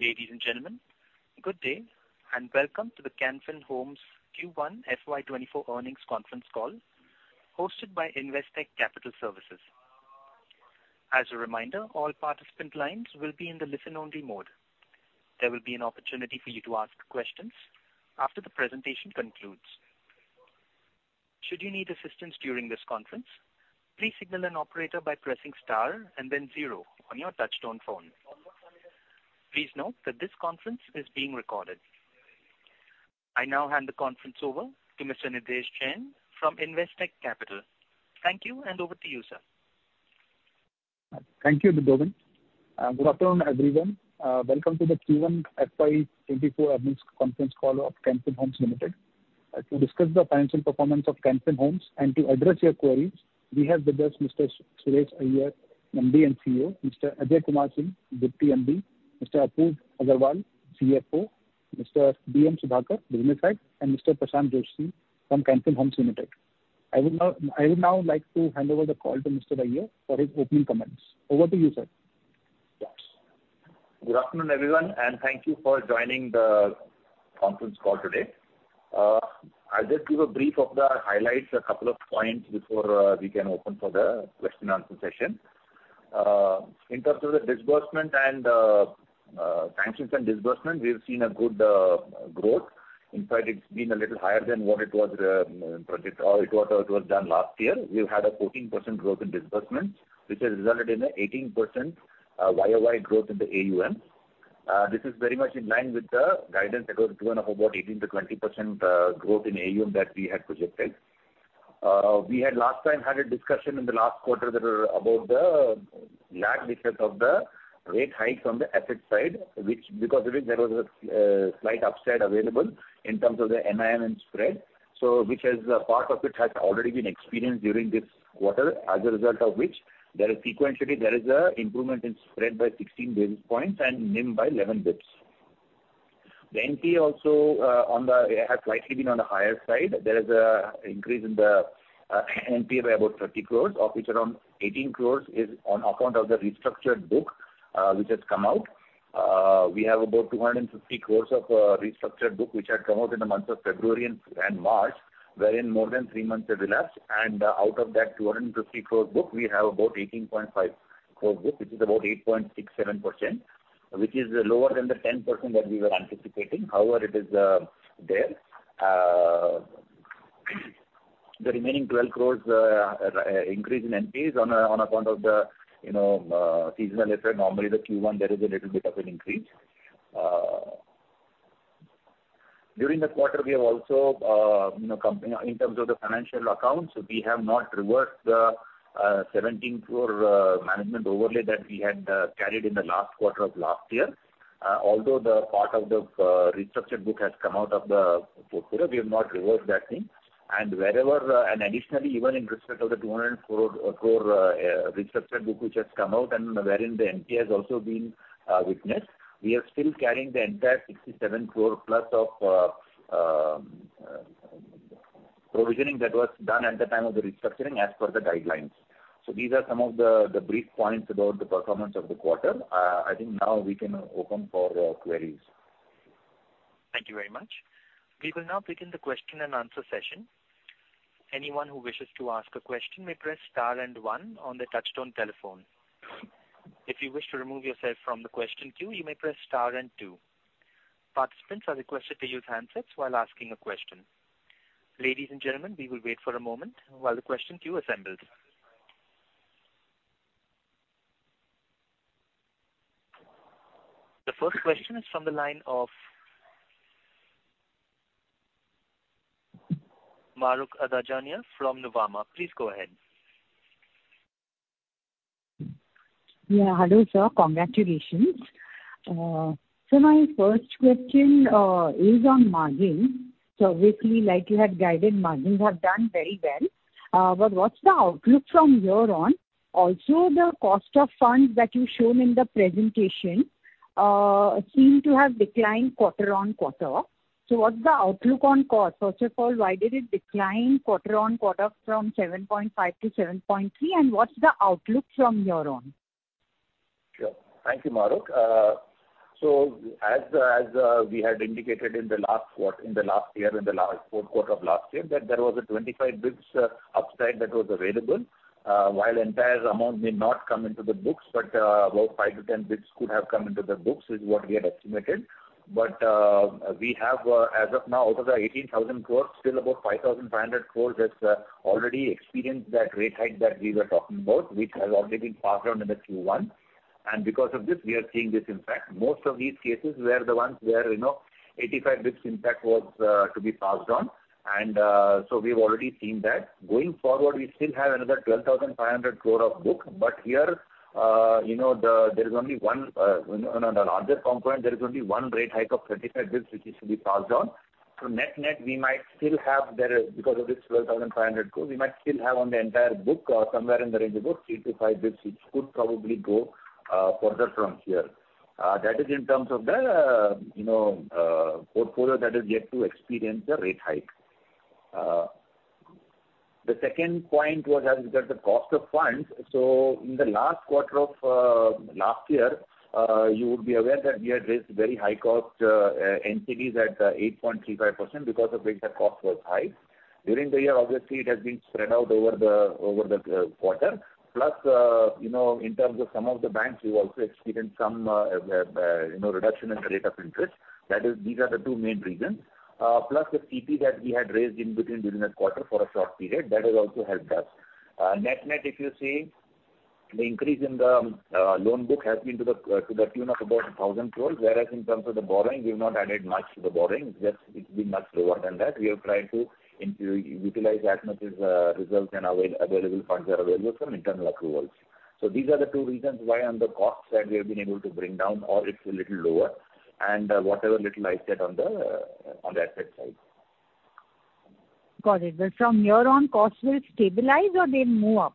Ladies and gentlemen, good day, and welcome to the Can Fin Homes Q1 FY 2024 earnings conference call, hosted by Investec Capital Services. As a reminder, all participant lines will be in the listen-only mode. There will be an opportunity for you to ask questions after the presentation concludes. Should you need assistance during this conference, please signal an operator by pressing star and then zero on your touchtone phone. Please note that this conference is being recorded. I now hand the conference over to Mr. Nidhesh Jain from Investec Capital. Thank you, and over to you, sir. Thank you, Mudovan. Good afternoon, everyone. Welcome to the Q1 FY 2024 earnings conference call of Can Fin Homes Limited. To discuss the financial performance of Can Fin Homes and to address your queries, we have with us Mr. Suresh Iyer, MD & CEO, Mr. Ajay Kumar Singh, Deputy MD, Mr. Apurav Agarwal, CFO, Mr. B.M. Sudhakar, Business Head, and Mr. Prashanth Joishy from Can Fin Homes Limited. I would now like to hand over the call to Mr. Iyer for his opening comments. Over to you, sir. Yes. Good afternoon, everyone, and thank you for joining the conference call today. I'll just give a brief of the highlights, a couple of points before we can open for the question-and-answer session. In terms of the disbursement and sanctions and disbursement, we've seen a good growth. In fact, it's been a little higher than what it was project or it was done last year. We've had a 14% growth in disbursements, which has resulted in an 18% YOY growth in the AUM. This is very much in line with the guidance that was given of about 18%-20% growth in AUM that we had projected. We had last time had a discussion in the last quarter that about the lag because of the rate hike from the asset side, which because of it, there was a slight upside available in terms of the NIM and spread. Which is a part of it has already been experienced during this quarter, as a result of which there is sequentially, there is a improvement in spread by 16 basis points and NIM by 11 bps. The NP also on the has slightly been on the higher side. There is a increase in the NP by about 30 crores, of which around 18 crores is on account of the restructured book, which has come out. We have about 250 crore of restructured book, which had come out in the months of February and March, wherein more than three months have elapsed, and out of that 250 crore book, we have about 18.5 crore book, which is about 8.67%, which is lower than the 10% that we were anticipating. However, it is there. The remaining 12 crore increase in NPs on account of the, you know, seasonal effect. Normally, the Q1, there is a little bit of an increase. During the quarter, we have also, you know, in terms of the financial accounts, we have not reversed the 17 crore management overlay that we had carried in the last quarter of last year. Although the part of the restructured book has come out of the portfolio, we have not reversed that thing. Wherever, and additionally, even in respect of the 204 crore restructured book, which has come out and wherein the NPA has also been witnessed, we are still carrying the entire 67 crore plus of provisioning that was done at the time of the restructuring as per the guidelines. These are some of the brief points about the performance of the quarter. I think now we can open for queries. Thank you very much. We will now begin the question-and answer session. Anyone who wishes to ask a question may press star and one on the touchtone telephone. If you wish to remove yourself from the question queue, you may press star and two. Participants are requested to use handsets while asking a question. Ladies and gentlemen, we will wait for a moment while the question queue assembles. The first question is from the line of Mahrukh Adajania from Nuvama. Please go ahead. Hello sir. Congratulations. My first question is on margin. Briefly, like you had guided, margins have done very well. What's the outlook from here on? Also, the cost of funds that you've shown in the presentation seem to have declined quarter-on-quarter. What's the outlook on cost? First of all, why did it decline quarter-on-quarter from 7.5% to 7.3%, and what's the outlook from here on? Sure. Thank you, Mahrukh. As we had indicated in the last quarter, in the last year, in the last fourth quarter of last year, that there was a 25 bps upside that was available, while entire amount may not come into the books, but 5-10 bps could have come into the books, is what we had estimated. We have, as of now, out of the 18,000 crore, still about 5,500 crore has already experienced that rate hike that we were talking about, which has already been passed on in the Q1. Because of this, we are seeing this impact. Most of these cases were the ones where, you know, 85 bps impact was to be passed on. We've already seen that. Going forward, we still have another 12,500 crore of book. Here, you know, there is only one, on a larger component, there is only one rate hike of 35 bps, which is to be passed on. Net-net, we might still have there, because of this 12,500 crore, we might still have on the entire book, somewhere in the range of about 3-5 bps, which could probably go further from here. That is in terms of the, you know, portfolio that is yet to experience the rate hike. The second point was, as you get the cost of funds. In the last quarter of last year, you would be aware that we had raised very high cost NCDs at 8.35% because the big cost was high. During the year, obviously, it has been spread out over the quarter. In terms of some of the banks, we've also experienced some, you know, reduction in the rate of interest. These are the two main reasons. The CP that we had raised in between, during that quarter for a short period, that has also helped us. Net, net, if you see, the increase in the loan book has been to the tune of about 1,000 crores. In terms of the borrowing, we've not added much to the borrowing, just it's been much lower than that. We are trying to utilize as much as results and available funds are available from internal approvals. These are the two reasons why on the cost side, we have been able to bring down or it's a little lower, and whatever little I said on the asset side. Got it. From here on, costs will stabilize or they'll move up?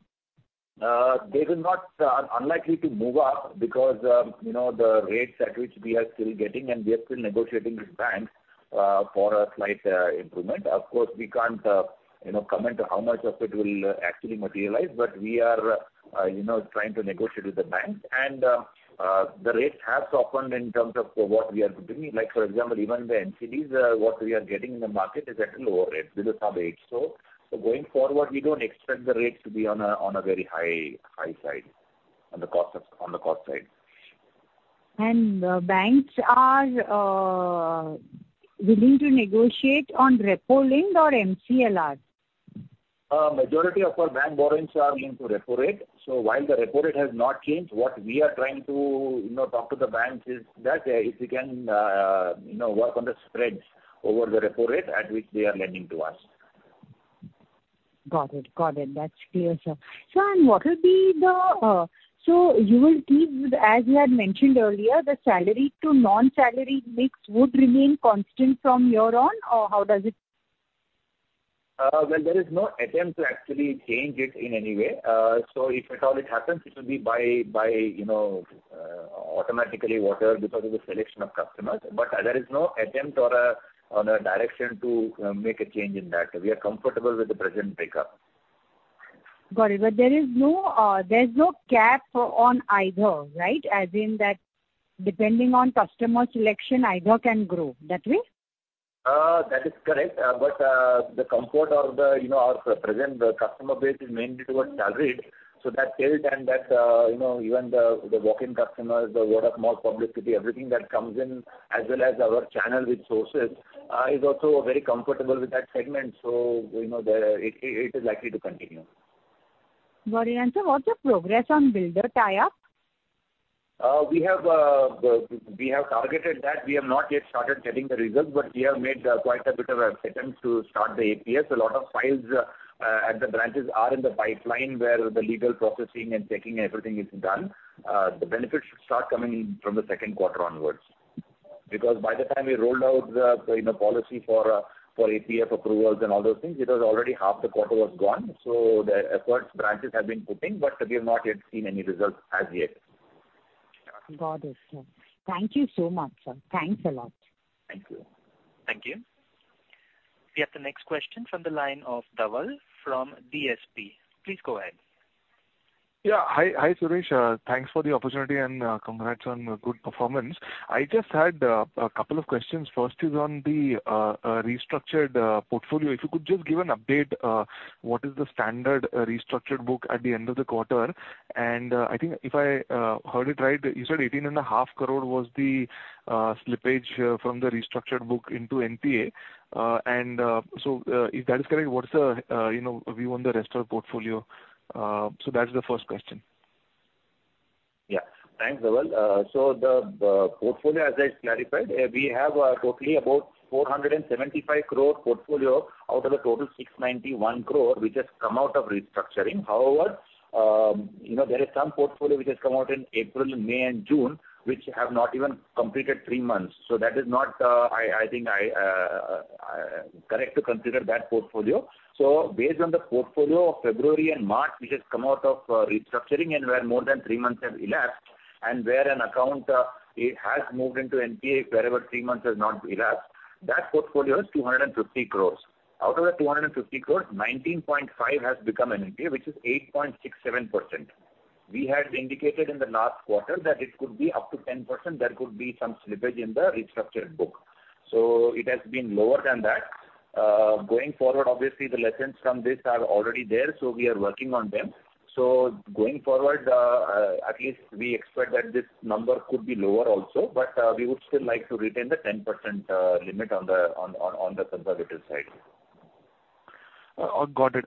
They will not, are unlikely to move up because, you know, the rates at which we are still getting, and we are still negotiating with banks for a slight improvement. Of course, we can't, you know, comment on how much of it will actually materialize, but we are, you know, trying to negotiate with the banks. The rates have softened in terms of what we are doing. Like, for example, even the NCDs, what we are getting in the market is at a lower rate because of H. Going forward, we don't expect the rates to be on a very high side, on the cost side. Banks are willing to negotiate on repo link or MCLR? Majority of our bank borrowings are linked to repo rate. While the repo rate has not changed, what we are trying to, you know, talk to the banks is that, if we can, you know, work on the spreads over the repo rate at which they are lending to us. Got it. That's clear, sir. Sir, what will be the... You will keep, as you had mentioned earlier, the salaried to non-salaried mix would remain constant from here on, or how does it? Well, there is no attempt to actually change it in any way. If at all it happens, it will be by, you know, automatically, whatever, because of the selection of customers. There is no attempt or a direction to make a change in that. We are comfortable with the present breakup. Got it. There is no, there's no cap on either, right? As in that, depending on customer selection, either can grow, that way? That is correct. The comfort of the, you know, our present customer base is mainly towards salaried. That tilt and that, you know, even the walk-in customers, the word of mouth publicity, everything that comes in, as well as our channel with sources, is also very comfortable with that segment. You know, the, it is likely to continue. Got it. Sir, what's the progress on builder tie-up? We have targeted that. We have not yet started getting the results, but we have made quite a bit of attempt to start the APS. A lot of files at the branches are in the pipeline where the legal processing and checking, everything is done. The benefits should start coming in from the second quarter onwards. By the time we rolled out the, you know, policy for APF approvals and all those things, it was already half the quarter was gone. The efforts branches have been putting, but we have not yet seen any results as yet. Got it, sir. Thank you so much, sir. Thanks a lot. Thank you. Thank you. We have the next question from the line of Dhaval Gada from DSP. Please go ahead. Yeah. Hi, hi, Suresh. Thanks for the opportunity and congrats on a good performance. I just had a couple of questions. First is on the restructured portfolio. If you could just give an update, what is the standard restructured book at the end of the quarter? I think if I heard it right, you said 18 and a half crore was the slippage from the restructured book into NPA. If that is correct, what is the, you know, view on the rest of portfolio? That's the first question. Yeah. Thanks, Dhaval. The portfolio, as I clarified, we have totally about 475 crore portfolio out of the total 691 crore, which has come out of restructuring. You know, there is some portfolio which has come out in April, May and June, which have not even completed 3 months. That is not, I think, correct to consider that portfolio. Based on the portfolio of February and March, which has come out of restructuring and where more than 3 months have elapsed, and where an account, it has moved into NPA, wherever 3 months has not elapsed, that portfolio is 250 crore. Out of the 250 crore, 19.5 has become NPA, which is 8.67%. We had indicated in the last quarter that it could be up to 10%, there could be some slippage in the restructured book. It has been lower than that. Going forward, obviously, the lessons from this are already there, we are working on them. Going forward, at least we expect that this number could be lower also, we would still like to retain the 10% limit on the conservative side. Got it.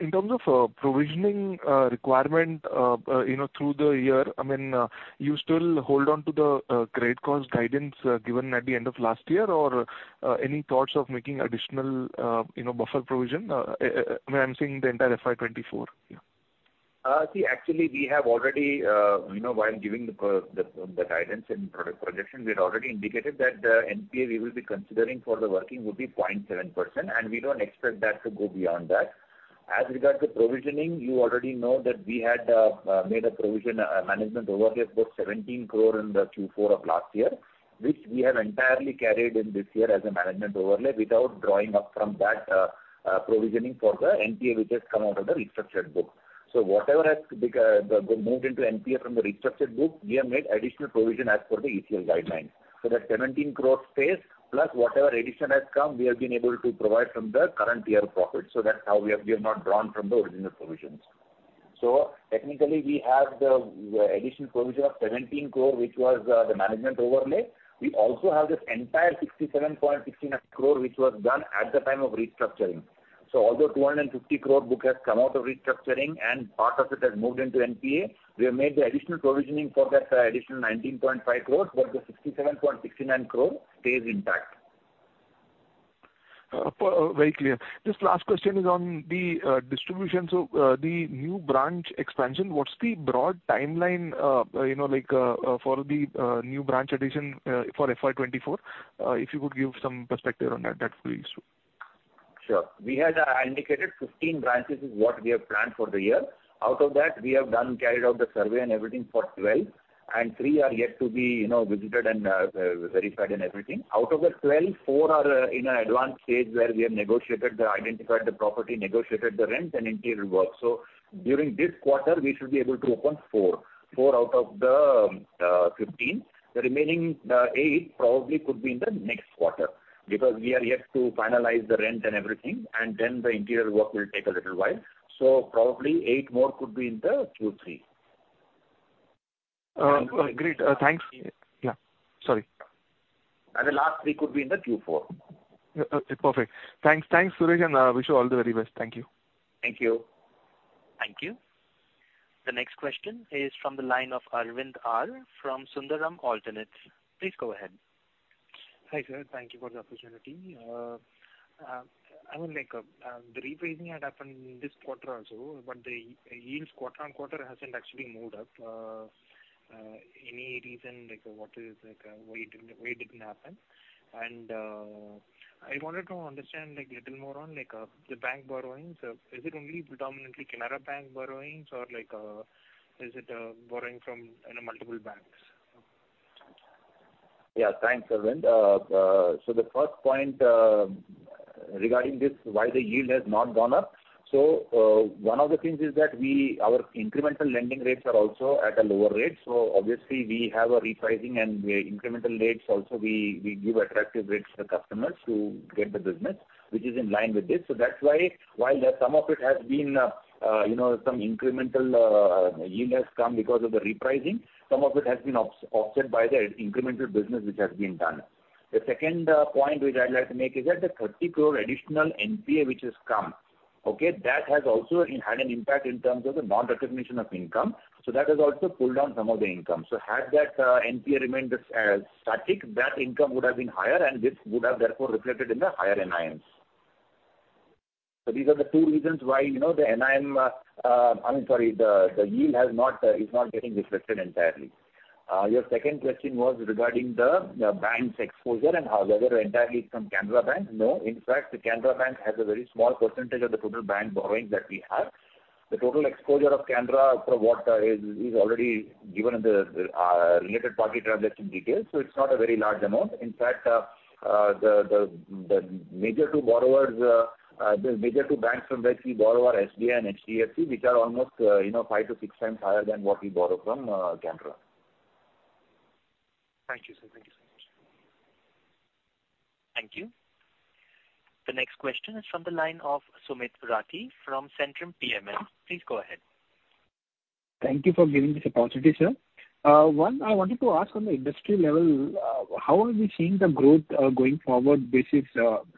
In terms of provisioning requirement, you know, through the year, I mean, you still hold on to the great cause guidance given at the end of last year? Or any thoughts of making additional, you know, buffer provision? I mean, I'm saying the entire FY24. See, actually, we have already, you know, while giving the guidance and product projection, we had already indicated that the NPA we will be considering for the working would be 0.7%. We don't expect that to go beyond that. As regard to provisioning, you already know that we had made a provision, management overlay of about 17 crore in the Q4 of last year, which we have entirely carried in this year as a management overlay without drawing up from that provisioning for the NPA, which has come out of the restructured book. Whatever has moved into NPA from the restructured book, we have made additional provision as per the ECL guidelines. That 17 crore stays, plus whatever addition has come, we have been able to provide from the current year profit. That's how we have not drawn from the original provisions. Technically, we have the additional provision of 17 crore, which was the management overlay. We also have this entire 67.69 crore, which was done at the time of restructuring. Although 250 crore book has come out of restructuring and part of it has moved into NPA, we have made the additional provisioning for that additional 19.5 crore, but the 67.69 crore stays intact. Very clear. Just last question is on the distribution. The new branch expansion, what's the broad timeline, you know, like, for the new branch addition, for FY24? If you could give some perspective on that will be useful. Sure. We had indicated 15 branches is what we have planned for the year. Out of that, we have done, carried out the survey and everything for 12, and 3 are yet to be, you know, visited and verified and everything. Out of the 12, 4 are in an advanced stage where we have negotiated the identified the property, negotiated the rent and interior work. During this quarter, we should be able to open 4 out of the 15. The remaining 8 probably could be in the next quarter, because we are yet to finalize the rent and everything, and then the interior work will take a little while. Probably, 8 more could be in the Q3. Great. Thanks. Yeah. Sorry. The last three could be in the Q four. Perfect. Thanks. Thanks, Suresh. Wish you all the very best. Thank you. Thank you. Thank you. The next question is from the line of Arvind R from Sundaram Alternates. Please go ahead. Hi, sir. Thank you for the opportunity. I mean, like, the repricing had happened in this quarter also, but the yields quarter-on-quarter hasn't actually moved up. Any reason, like, what is, like, why it didn't happen? I wanted to understand, like, little more on, like, the bank borrowings. Is it only predominantly Canara Bank borrowings, or like, is it a borrowing from, you know, multiple banks? Yeah. Thanks, Arvind. The first point regarding this, why the yield has not gone up. One of the things is that our incremental lending rates are also at a lower rate. Obviously, we have a repricing and the incremental rates also we give attractive rates to the customers to get the business, which is in line with this. That's why, while some of it has been, you know, some incremental yield has come because of the repricing, some of it has been offset by the incremental business which has been done. The second point which I'd like to make is that the 30 crore additional NPA which has come, okay? That has also had an impact in terms of the non-recognition of income. That has also pulled down some of the income. Had that NPA remained as static, that income would have been higher, and this would have therefore reflected in the higher NIMs. These are the two reasons why, you know, the NIM, I'm sorry, the yield has not is not getting reflected entirely. Your second question was regarding the bank's exposure and whether entirely from Canara Bank? No. In fact, the Canara Bank has a very small percentage of the total bank borrowing that we have. The total exposure of Canara from what is already given in the related party transaction details, so it's not a very large amount. In fact, the major two borrowers, the major two banks from which we borrow are SBI and HDFC, which are almost, you know, 5 to 6 times higher than what we borrow from Canara. Thank you, sir. Thank you so much. Thank you. The next question is from the line of Sumit Rathi from Centrum PMS. Please go ahead. Thank you for giving this opportunity, sir. One, I wanted to ask on the industry level, how are we seeing the growth, going forward basis,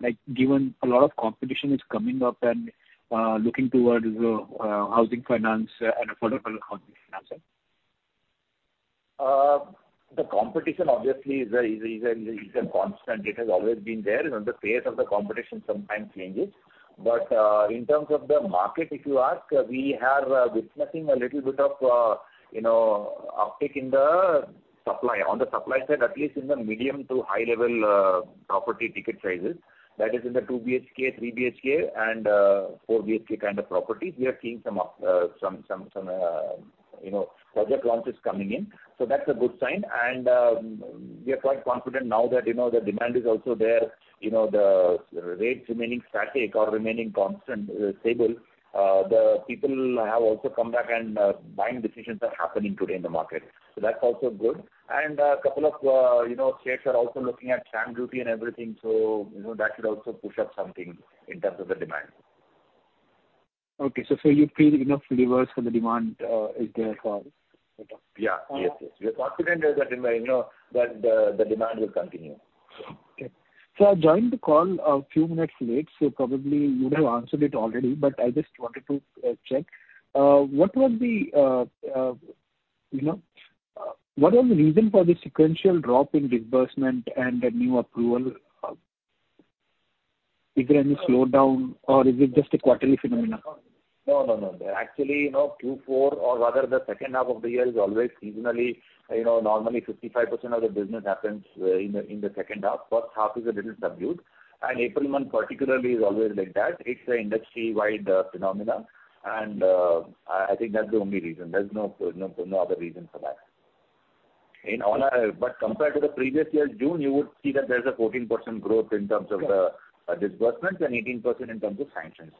like, given a lot of competition is coming up and, looking towards, housing finance and affordable housing finance? The competition obviously is a constant. It has always been there, and the pace of the competition sometimes changes. In terms of the market, if you ask, we are witnessing a little bit of, you know, uptick in the supply. On the supply side, at least in the medium to high level, property ticket prices, that is in the 2 BHK, 3 BHK and 4 BHK kind of properties, we are seeing some, you know, project launches coming in. That's a good sign, and we are quite confident now that, you know, the demand is also there. You know, the rates remaining static or remaining constant, stable, the people have also come back and buying decisions are happening today in the market. That's also good. A couple of, you know, states are also looking at stamp duty and everything, so, you know, that should also push up something in terms of the demand. Okay. You feel enough levers for the demand is there for it? Yeah. Yes. We are confident that the demand, you know, that the demand will continue. Okay. I joined the call a few minutes late, so probably you would have answered it already, but I just wanted to check. What was the, you know, what are the reason for the sequential drop in disbursement and the new approval? Is there any slowdown, or is it just a quarterly phenomena? No, no. Actually, you know, Q four or rather the second half of the year is always seasonally, you know, normally 55% of the business happens in the second half. First half is a little subdued, and April month particularly is always like that. It's a industry-wide phenomenon, and I think that's the only reason. There's no, no other reason for that. In all our-- but compared to the previous year, June, you would see that there's a 14% growth in terms of the- Correct. Disbursements and 18% in terms of sanctions.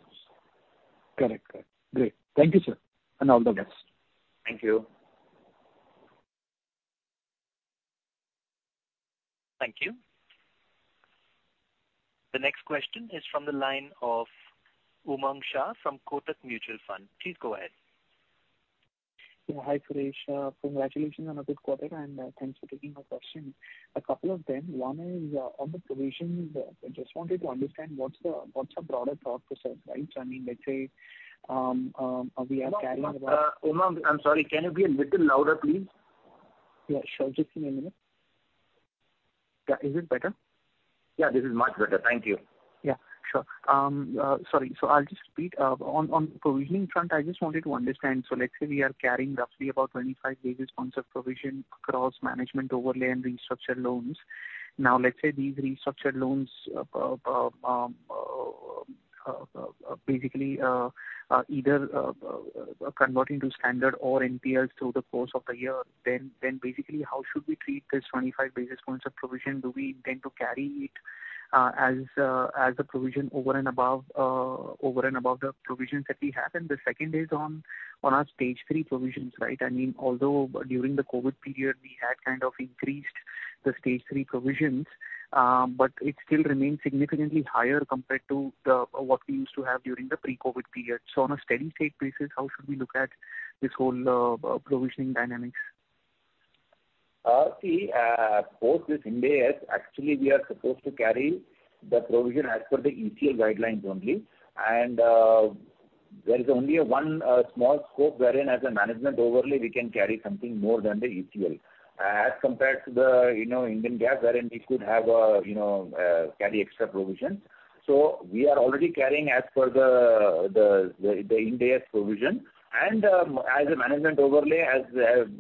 Correct, correct. Great. Thank you, sir, and all the best. Thank you. Thank you. The next question is from the line of Umang Shah from Kotak Mutual Fund. Please go ahead. Yeah, hi, Suresh. Congratulations on a good quarter. Thanks for taking our question. A couple of them. One is on the provisions, I just wanted to understand what's the broader thought process, right? I mean, let's say, we are carrying about Umang, I'm sorry, can you be a little louder, please? Yeah, sure. Just give me a minute. Yeah, is it better? Yeah, this is much better. Thank you. Yeah, sure. Sorry, I'll just repeat. On provisioning front, I just wanted to understand. Let's say we are carrying roughly about 25 basis points of provision across management overlay and restructured loans. Let's say these restructured loans converting to standard or NPLs through the course of the year, then basically how should we treat this 25 basis points of provision? Do we intend to carry it as a provision over and above the provisions that we have? The second is on our stage three provisions, right? I mean, although during the COVID period, we had kind of increased the stage three provisions, it still remains significantly higher compared to the what we used to have during the pre-COVID period. On a steady state basis, how should we look at this whole provisioning dynamics? See, post this Ind AS, actually, we are supposed to carry the provision as per the ECL guidelines only. There is only a one small scope wherein as a management overlay, we can carry something more than the ECL. As compared to the, you know, Indian GAAP, wherein we could have a, you know, carry extra provisions. We are already carrying as per the Ind AS provision and as a management overlay, as,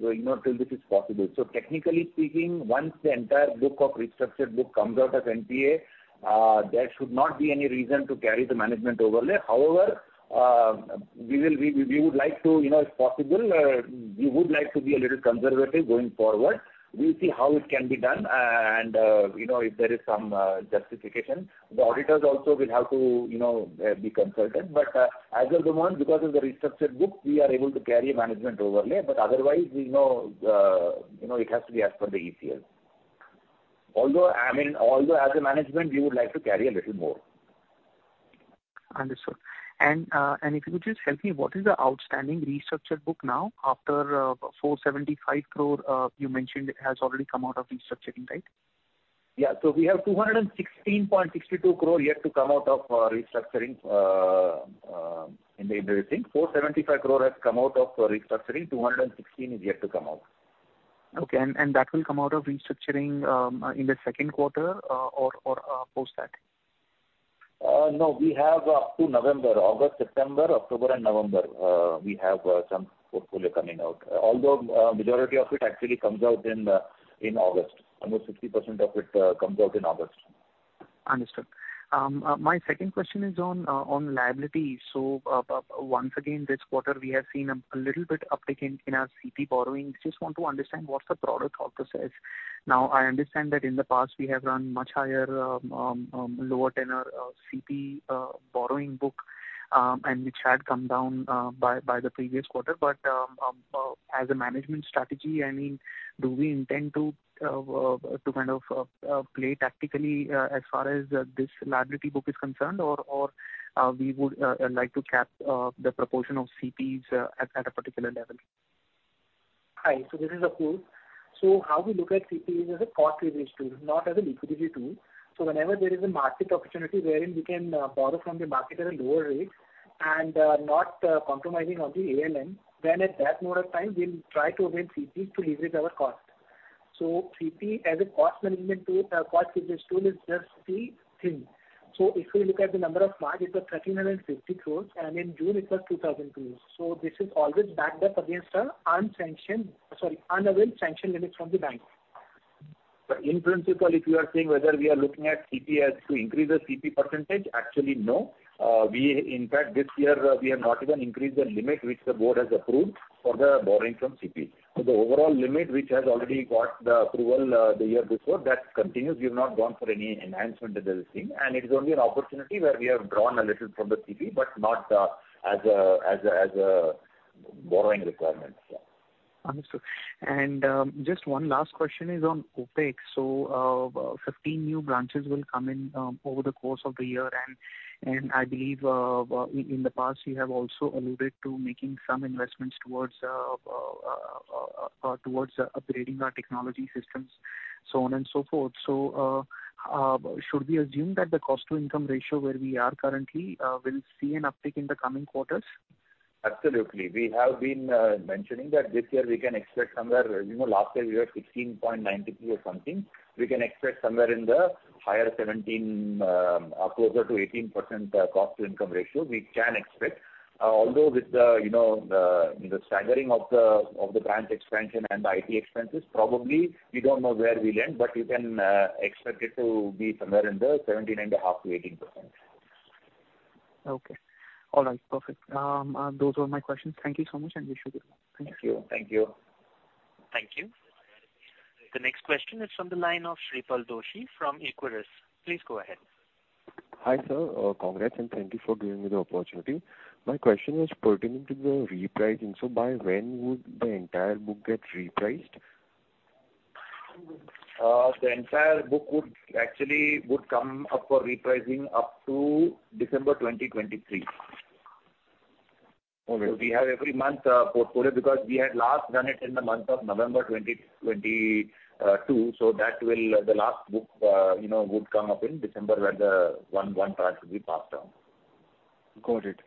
you know, till this is possible. Technically speaking, once the entire book of restructured book comes out of NPA, there should not be any reason to carry the management overlay. However, we will, we would like to, you know, if possible, we would like to be a little conservative going forward. We'll see how it can be done. you know, if there is some justification, the auditors also will have to, you know, be consulted. as of the moment, because of the restructured book, we are able to carry a management overlay, but otherwise, we know, you know, it has to be as per the ECL. I mean, although as a management, we would like to carry a little more. Understood. If you could just help me, what is the outstanding restructured book now after, 475 crore you mentioned has already come out of restructuring, right? Yeah. We have 216.62 crore yet to come out of restructuring. 475 crore has come out of restructuring, 216 is yet to come out. Okay, that will come out of restructuring, in the second quarter, or post that? No, we have up to November. August, September, October and November, we have some portfolio coming out. Although, majority of it actually comes out in August. Almost 50% of it comes out in August. Understood. My second question is on liability. Once again, this quarter, we have seen a little bit uptick in our CP borrowing. Just want to understand what's the broader thought process. Now, I understand that in the past, we have run much higher lower tenor of CP borrowing book, and which had come down by the previous quarter. As a management strategy, I mean, do we intend to kind of play tactically as far as this liability book is concerned or we would like to cap the proportion of CPs at a particular level? Hi, this is Akhil. How we look at CP is as a cost leverage tool, not as an liquidity tool. Whenever there is a market opportunity wherein we can borrow from the market at a lower rate and not compromising on the ALM, then at that point of time, we'll try to avail CP to leverage our cost. CP as a cost management tool, cost leverage tool is just the thing. If you look at the number of March, it was 1,350 crores, and in June it was 2,000 crores. This is always backed up against our unsanctioned, sorry, unavailed sanction limits from the bank. In principle, if you are saying whether we are looking at CP as to increase the CP percentage, actually, no. We in fact, this year, we have not even increased the limit which the board has approved for the borrowing from CP. The overall limit, which has already got the approval, the year before, that continues. We've not gone for any enhancement to this thing. It is only an opportunity where we have drawn a little from the CP, but not as a borrowing requirement. Understood. Just one last question is on OpEx. 15 new branches will come in over the course of the year, and I believe in the past, you have also alluded to making some investments towards upgrading our technology systems, so on and so forth. Should we assume that the cost-to-income ratio, where we are currently, will see an uptick in the coming quarters? Absolutely. We have been mentioning that this year we can expect somewhere, you know, last year we were 16.93 or something. We can expect somewhere in the higher 17, or closer to 18%, cost-to-income ratio we can expect. Although with the, you know, the staggering of the branch expansion and the IT expenses, probably we don't know where we'll end, but you can expect it to be somewhere in the 17.5% to 18%. Okay. All right. Perfect. Those were my questions. Thank you so much, and wish you good. Thank you. Thank you. Thank you. The next question is from the line of Shreepal Doshi from Equirus. Please go ahead. Hi, sir. congrats, and thank you for giving me the opportunity. My question was pertaining to the repricing. by when would the entire book get repriced? The entire book would actually come up for repricing up to December 2023. Okay. We have every month, portfolio, because we had last done it in the month of November 2022. That will, the last book, you know, would come up in December when the one part will be passed on. Got it.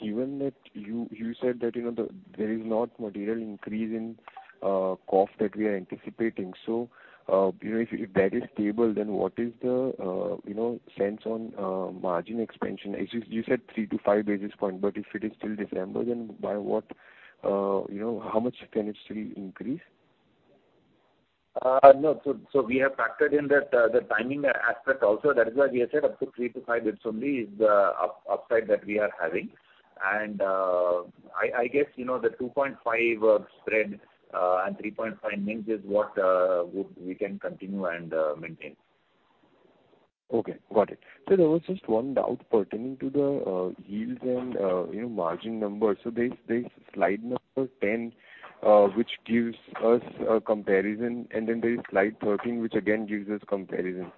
Given that you said that, you know, there is not material increase in cost that we are anticipating, you know, if that is stable, then what is the, you know, sense on margin expansion? As you said 3 to 5 basis point, but if it is till December, then by what, you know, how much can it still increase? No. We have factored in that the timing aspect also. That is why we have said up to 3 to 5 basis only is the upside that we are having. I guess, you know, the 2.5 spread and 3.5 means is what we can continue and maintain. Okay, got it. There was just one doubt pertaining to the yield and, you know, margin numbers. There is slide number 10, which gives us a comparison, and then there is slide 13, which again gives us comparison.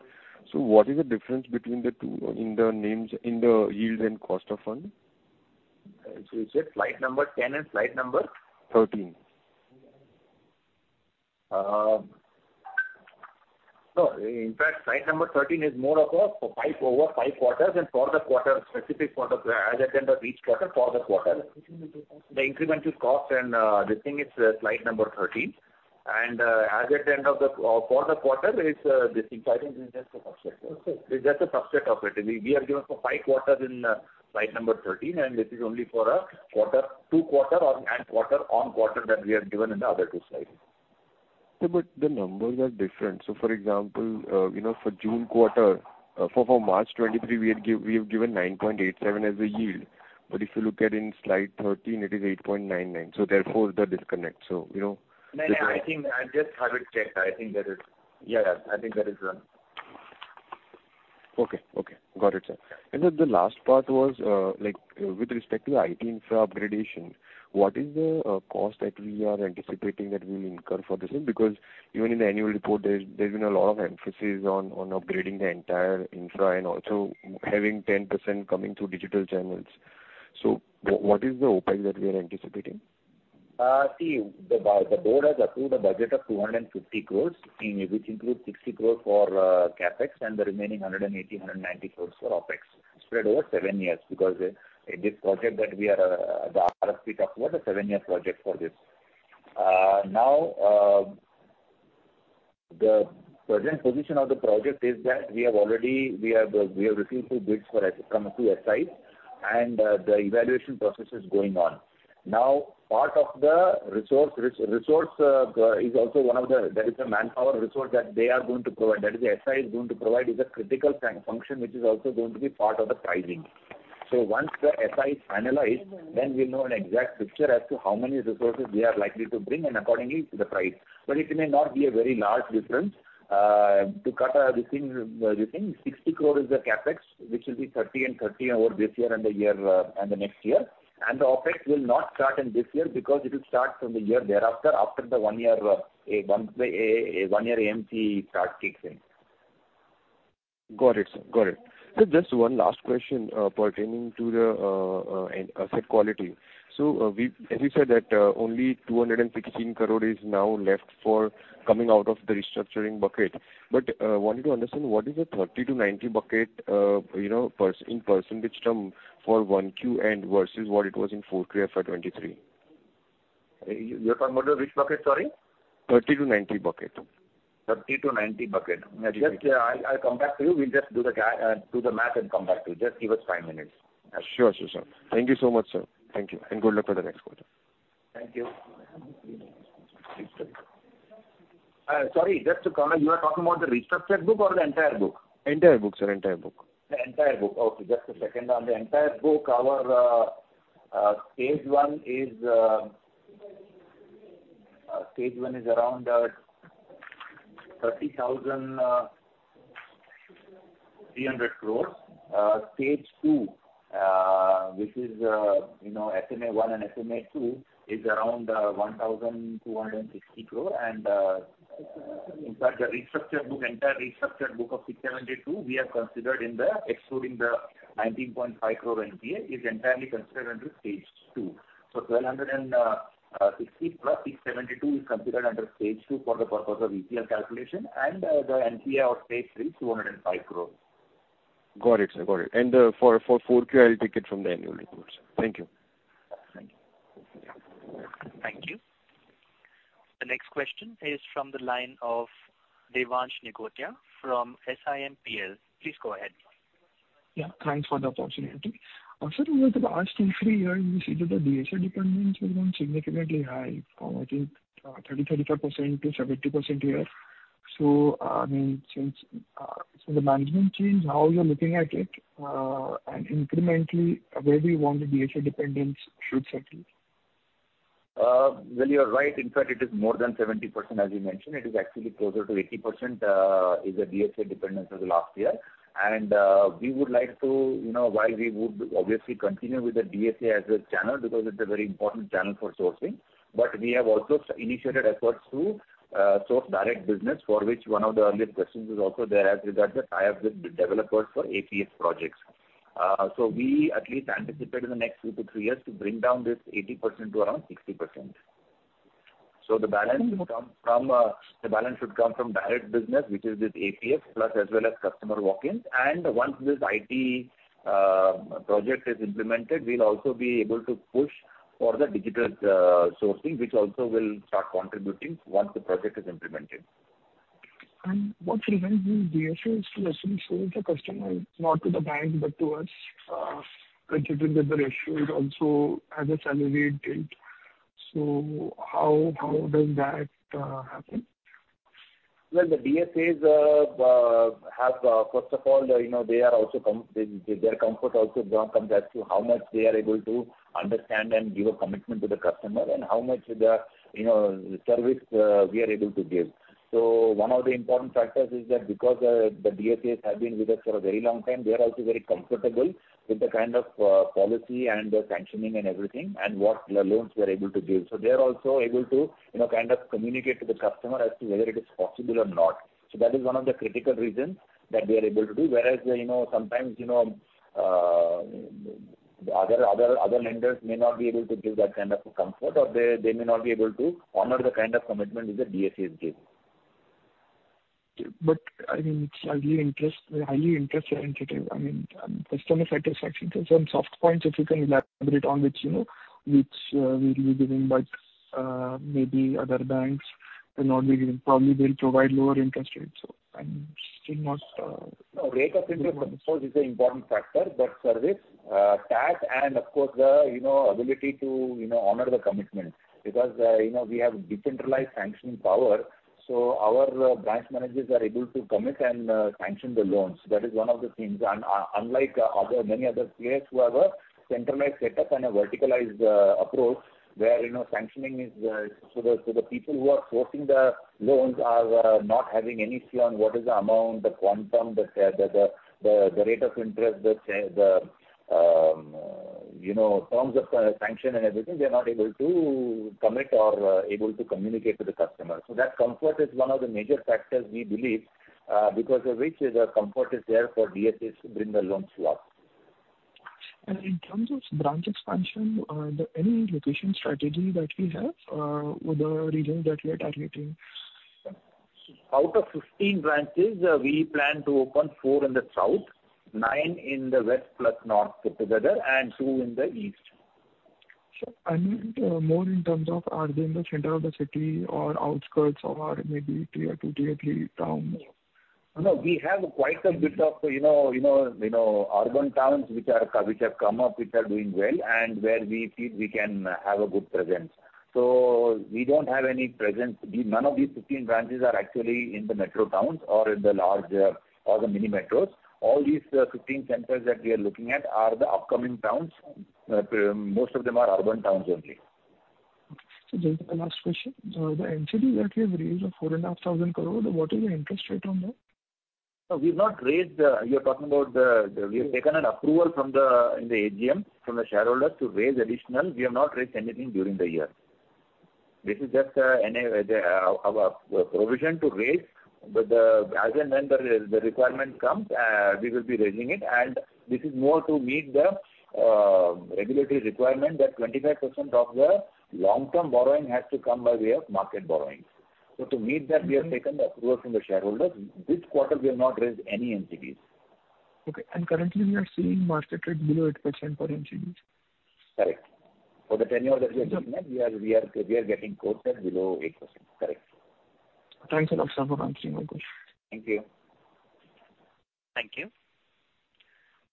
What is the difference between the two in the names, in the yield and cost of fund? you said slide number 10 and slide number? Thirteen. No, in fact, slide number 13 is more of a 5, over 5 quarters and for the quarter, specific quarter, as at end of each quarter, for the quarter. The incremental cost and this thing is slide number 13. As at the end of the for the quarter, it's this thing. I think it's just a subset. Okay. It's just a subset of it. We have given for 5 quarters in slide number 13, this is only for a quarter to quarter and quarter on quarter that we have given in the other 2 slides. The numbers are different. For example, you know, for June quarter, for March 2023, we have given 9.87% as a yield. If you look at in slide 13, it is 8.99%, so therefore the disconnect. You know. No, no, I think I just have it checked. Yeah, I think that is right. Okay. Okay, got it, sir. The last part was, like with respect to the IT infra upgradation, what is the cost that we are anticipating that we will incur for the same? Even in the annual report, there's been a lot of emphasis on upgrading the entire infra and also having 10% coming through digital channels. What is the OpEx that we are anticipating? See, the board has approved a budget of 250 crores, which includes 60 crores for CapEx and the remaining 180-190 crores for OpEx, spread over 7 years. Because this project that we are, the RFP talked about a 7-year project for this. Now, the present position of the project is that we have already received 2 bids from 2 SIs, and the evaluation process is going on. Now, part of the resource is also one of the, there is a manpower resource that they are going to provide, that is the SI is going to provide, is a critical function, which is also going to be part of the pricing. Once the SI is finalized, then we'll know an exact picture as to how many resources they are likely to bring and accordingly to the price. It may not be a very large difference. To cut this thing, 60 crore is the CapEx, which will be 30 and 30 over this year and the year and the next year. The OpEx will not start in this year because it will start from the year thereafter, after the one year AMC start, kicks in. Got it, sir. Got it. Just one last question pertaining to the asset quality. As you said that only 216 crore is now left for coming out of the restructuring bucket. Wanted to understand, what is the 30-90 bucket, you know, in % term for Q1 and versus what it was in Q4 of FY23? You are talking about which bucket, sorry? 30-90 bucket. 30-90 bucket. Yeah. Just, I'll come back to you. We'll just do the math and come back to you. Just give us 5 minutes. Sure. Sure, sir. Thank you so much, sir. Thank you. Good luck for the next quarter. Thank you. Sorry, just to come in, you are talking about the restructured book or the entire book? Entire book, sir, entire book. The entire book. Okay, just a second. On the entire book, our Stage 1 is around 30,300 crore. Stage 2, which is, you know, SMA 1 and SMA 2, is around 1,260 crore. In fact, the restructured book, entire restructured book of 672 crore, we have considered excluding the 19.5 crore NPA, is entirely considered under Stage 2. 1,260 crore plus 672 crore is considered under Stage 2 for the purpose of ECL calculation, and the NPA of Stage 3, 205 crore. Got it, sir. Got it. For 4Q, I will take it from the annual reports. Thank you. Thank you. The next question is from the line of Devansh Nigotia from SMIFS. Please go ahead. Yeah, thanks for the opportunity. Also, with the last three years, we see that the DSA dependence has gone significantly high from, I think, 30%-35% to 70% a year. I mean, since, so the management change, how you're looking at it, and incrementally, where we want the DSA dependence should settle? Well, you're right. In fact, it is more than 70%, as you mentioned. It is actually closer to 80% is the DSA dependence of the last year. We would like to, you know, while we would obviously continue with the DSA as a channel, because it's a very important channel for sourcing, but we have also initiated efforts to source direct business, for which one of the earlier questions is also there, that the tie-up with developers for APS projects. We at least anticipate in the next 2-3 years to bring down this 80% to around 60%. The balance will come from, the balance should come from direct business, which is this APS, plus as well as customer walk-ins. Once this IT project is implemented, we'll also be able to push for the digital sourcing, which also will start contributing once the project is implemented. What prevents the DSAs to also show the customer, not to the bank, but to us, considering that the ratio it also has accelerated? How does that happen? Well, the DSAs, first of all, you know, they are also their comfort also comes as to how much they are able to understand and give a commitment to the customer, and how much the, you know, service we are able to give. One of the important factors is that because the DSAs have been with us for a very long time, they are also very comfortable with the kind of policy and the sanctioning and everything, and what loans we are able to give. They are also able to, you know, kind of communicate to the customer as to whether it is possible or not. That is one of the critical reasons that we are able to do. You know, sometimes, you know, other lenders may not be able to give that kind of a comfort, or they may not be able to honor the kind of commitment that the DSAs give. I mean, it's highly interest sensitive. I mean, customer satisfaction, some soft points, if you can elaborate on which, you know, which will be given by maybe other banks will not be given. Probably, they'll provide lower interest rates, so I'm still not. Rate of interest, of course, is an important factor, but service tax, and of course, the, you know, ability to, you know, honor the commitment. You know, we have decentralized sanctioning power, so our branch managers are able to commit and sanction the loans. That is one of the things. Unlike other, many other players who have a centralized setup and a verticalized approach, where, you know, sanctioning is, so the, so the people who are sourcing the loans are not having any say on what is the amount, the quantum, the, the rate of interest, the, you know, terms of sanction and everything. They're not able to commit or able to communicate to the customer. That comfort is one of the major factors, we believe, because of which the comfort is there for DSAs to bring the loans to us. In terms of branch expansion, any location strategy that we have with the regions that we are targeting? Out of 15 branches, we plan to open four in the south, nine in the west plus north together, and two in the east. Sir, I meant, more in terms of are they in the center of the city or outskirts or maybe tier two, tier three towns? We have quite a bit of, you know, urban towns which are, which have come up, which are doing well, and where we feel we can have a good presence. We don't have any presence. None of these 15 branches are actually in the metro towns or in the large or the mini metros. All these 15 centers that we are looking at are the upcoming towns. Most of them are urban towns only. Just the last question. The NCD that we have raised of 4,500 crore, what is the interest rate on that? We've not raised. You're talking about the. We have taken an approval from the, in the AGM, from the shareholders to raise additional. We have not raised anything during the year. This is just an our provision to raise, as and when the requirement comes, we will be raising it. This is more to meet the regulatory requirement that 25% of the long-term borrowing has to come by way of market borrowing. To meet that, we have taken the approval from the shareholders. This quarter, we have not raised any NCDs. Okay. Currently, we are seeing market rate below 8% for NCDs? Correct. For the tenure that we are looking at, we are getting quotes at below 8%. Correct. Thanks a lot, sir, for answering my question. Thank you. Thank you.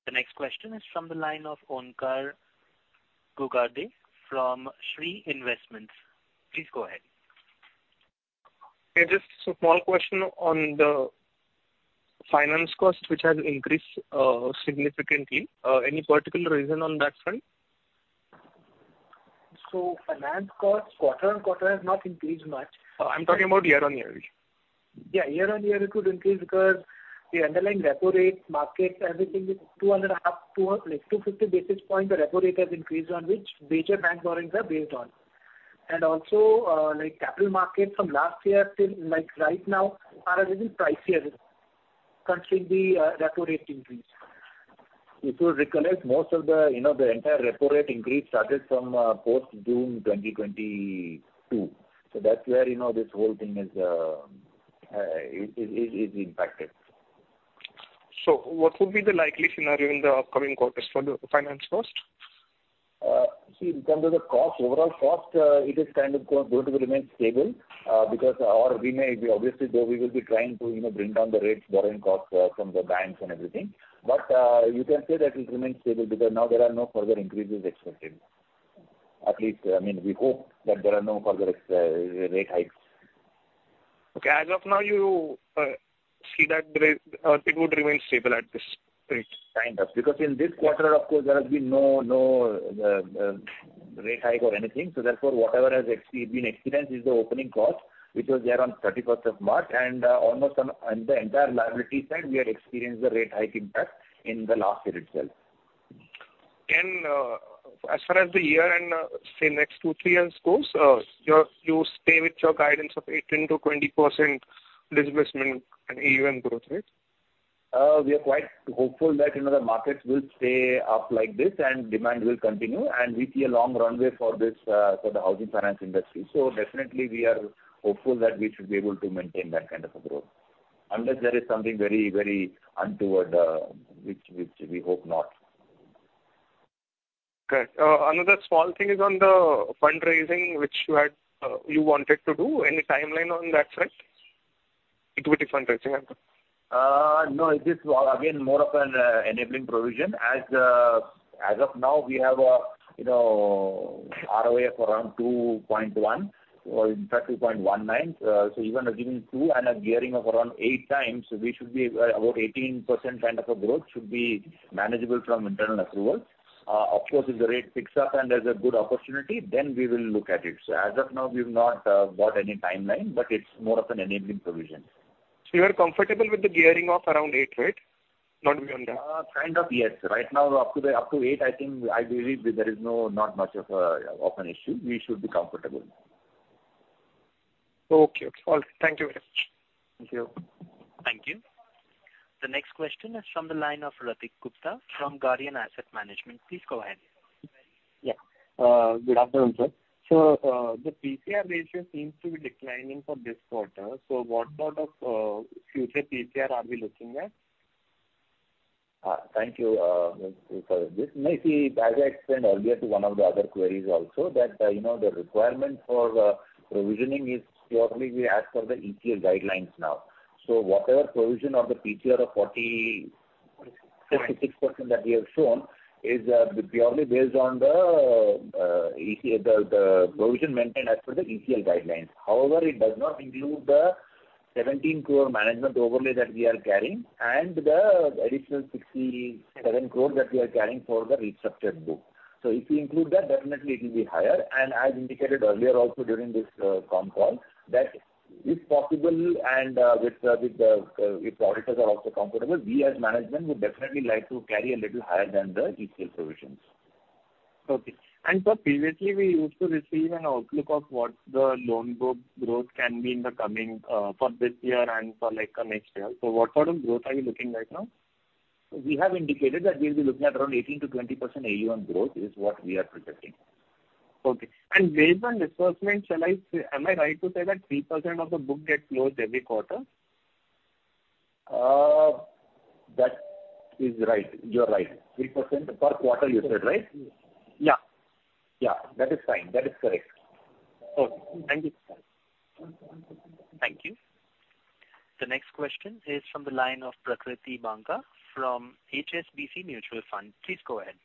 The next question is from the line of Onkar Ghogade from Anand Rathi. Please go ahead. Hey, just a small question on the finance costs, which have increased, significantly. Any particular reason on that front? Finance costs quarter-on-quarter have not increased much. I'm talking about year-on-year. Yeah, year on year it could increase because the underlying repo rate, market, everything is 250 basis points the repo rate has increased on which major bank borrowings are based on. Also, like, capital market from last year till, like, right now are a little pricier considering the repo rate increase. If you'll recollect, most of the, you know, the entire repo rate increase started from post June 2022. So that's where, you know, this whole thing is impacted. What would be the likely scenario in the upcoming quarters for the finance cost? See, in terms of the cost, overall cost, it is kind of going to remain stable, because our revenue, obviously, though we will be trying to, you know, bring down the rates, borrowing costs, from the banks and everything. You can say that it remains stable because now there are no further increases expected. At least, I mean, we hope that there are no further rate hikes. Okay. As of now, you see that the rate, it would remain stable at this rate? Kind of. In this quarter, of course, there has been no rate hike or anything, so therefore, whatever has been experienced is the opening cost, which was there on 31st of March, and almost on the entire liability side, we have experienced the rate hike impact in the last year itself. As far as the year and, say, next 2, 3 years goes, you stay with your guidance of 18%-20% disbursement and AUM growth rate? We are quite hopeful that, you know, the markets will stay up like this, and demand will continue, and we see a long runway for this for the housing finance industry. Definitely we are hopeful that we should be able to maintain that kind of a growth. Unless there is something very, very untoward, which we hope not. Okay. another small thing is on the fundraising, which you had, you wanted to do. Any timeline on that front? Equity fundraising, I mean. No, this is, again, more of an enabling provision. As of now, we have a, you know, ROA of around 2.1, or in fact, 2.19. Even assuming 2 and a gearing of around 8 times, we should be about 18% kind of a growth should be manageable from internal approval. Of course, if the rate picks up and there's a good opportunity, then we will look at it. As of now, we've not got any timeline, but it's more of an enabling provision. You are comfortable with the gearing of around 8, right? Not beyond that. Kind of, yes. Right now, up to the, up to eight, I think, I believe there is not much of a, of an issue. We should be comfortable. Okay. Okay. All right. Thank you very much. Thank you. Thank you. The next question is from the line of Aseem Gupta from Guardian Asset Management. Please go ahead. Yeah. Good afternoon, sir. The TCR ratio seems to be declining for this quarter, so what sort of future TCR are we looking at? Thank you for this. You see, as I explained earlier to one of the other queries also, that, you know, the requirement for the provisioning is purely we ask for the ECL guidelines now. Whatever provision of the TCR of 40... 66% that we have shown is purely based on the provision maintained as per the ECL guidelines. However, it does not include the 17 crore management overlay that we are carrying and the additional 67 crore that we are carrying for the restructured book. If you include that, definitely it will be higher, and as indicated earlier also during this conf call, that if possible and with the if the auditors are also comfortable, we as management would definitely like to carry a little higher than the ECL provisions. Okay. Sir, previously, we used to receive an outlook of what the loan book growth can be in the coming for this year and for, like, next year. What sort of growth are you looking right now? We have indicated that we'll be looking at around 18%-20% AUM growth, is what we are projecting. Okay. Based on disbursements, shall I say. Am I right to say that 3% of the book gets closed every quarter? That is right. You are right. 3%. Per quarter, you said, right? Yeah. Yeah, that is fine. That is correct. Okay. Thank you. Thank you. The next question is from the line of Prakriti Banka from HSBC Mutual Fund. Please go ahead.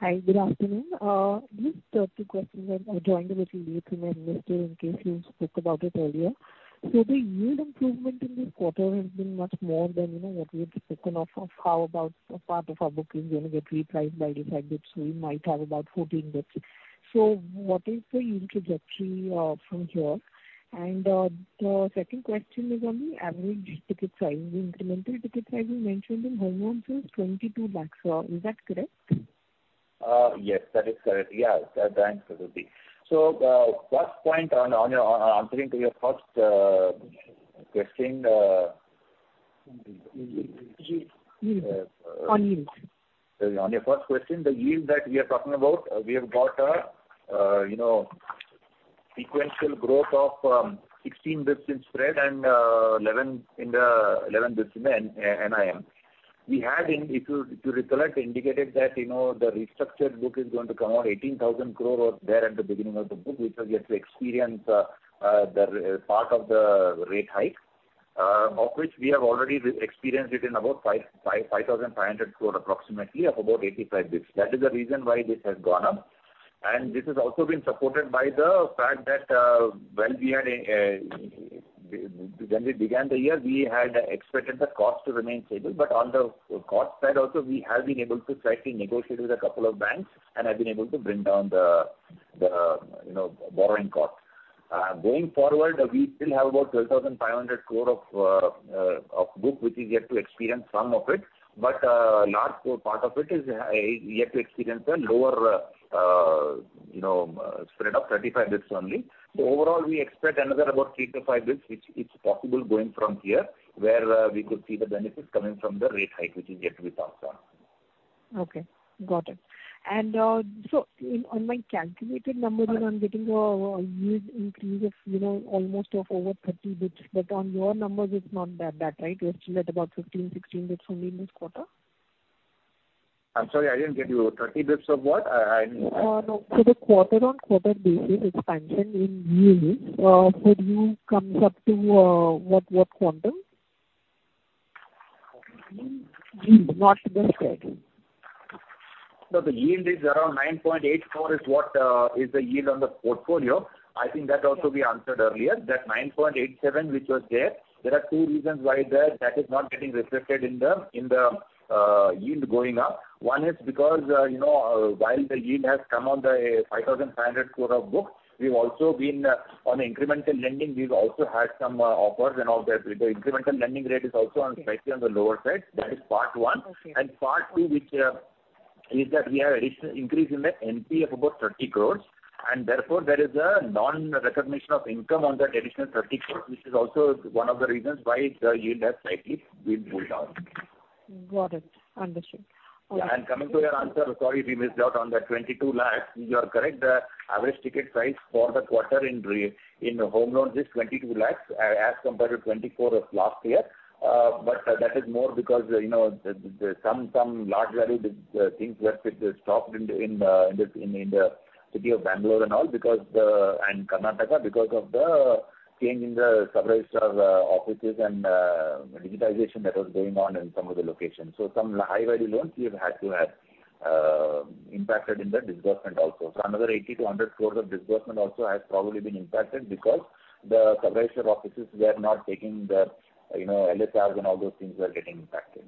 Hi, good afternoon. Just two questions. I joined a little late in my investor, in case you spoke about it earlier. The yield improvement in this quarter has been much more than, you know, what we had taken off, of how about a part of our book is going to get repriced by the fact that we might have about 14 basis. What is the yield trajectory from here? The second question is on the average ticket pricing. The incremental ticket price you mentioned in home loans was 22 lakhs. Is that correct? Yes, that is correct. Thanks, Prakriti. First point on your answering to your first question. Yield. On yield. On your first question, the yield that we are talking about, we have got a, you know, sequential growth of 16 basis spread and 11 basis in the NIM. We had in, if you, if you recollect, indicated that, you know, the restructured book is going to come out 18,000 crore or there at the beginning of the book, which is yet to experience the part of the rate hike, of which we have already experienced it in about 5,500 crore, approximately, of about 85 basis. That is the reason why this has gone up. This has also been supported by the fact that, well, we had a, When we began the year, we had expected the cost to remain stable, but on the cost side also, we have been able to slightly negotiate with a couple of banks and have been able to bring down the, you know, borrowing costs. Going forward, we still have about 12,500 crore of book, which is yet to experience some of it, but large part of it is yet to experience a lower, you know, spread of 35 basis points only. Overall, we expect another about 3 to 5 basis points, which is possible going from here, where we could see the benefits coming from the rate hike, which is yet to be passed on. Okay, got it. On my calculated numbers, I'm getting a yield increase of, you know, almost over 30 bps, but on your numbers, it's not that bad, right? You're still at about 15, 16 bps only in this quarter? I'm sorry, I didn't get you. 30 bits of what? No. The quarter-on-quarter basis, it's mentioned in yields. Yield comes up to what quantum? Not the share. No, the yield is around 9.84% is what is the yield on the portfolio. I think that also we answered earlier, that 9.87% which was there. There are two reasons why that is not getting reflected in the yield going up. One is because, you know, while the yield has come on the 5,500 crore of books, we've also been on the incremental lending, we've also had some offers and all that. The incremental lending rate is also on slightly on the lower side. That is part one. Okay. Part two, which, is that we have additional increase in the NPA of about 30 crores, and therefore, there is a non-recognition of income on that additional 30 crores, which is also one of the reasons why the yield has slightly been pulled down. Got it. Understood. Coming to your answer, sorry, we missed out on the 22 lakhs. You are correct, the average ticket price for the quarter in home loans is 22 lakhs, as compared to 24 lakhs of last year. That is more because, you know, the, some large value things were stopped in the city of Bangalore and all, because, and Karnataka, because of the change in the sub-registrar offices and digitization that was going on in some of the locations. Some high-value loans, we have had to have impacted in the disbursement also. Another 80-100 crores of disbursement also has probably been impacted because the sub-registrar offices were not taking the LSRs and all those things were getting impacted.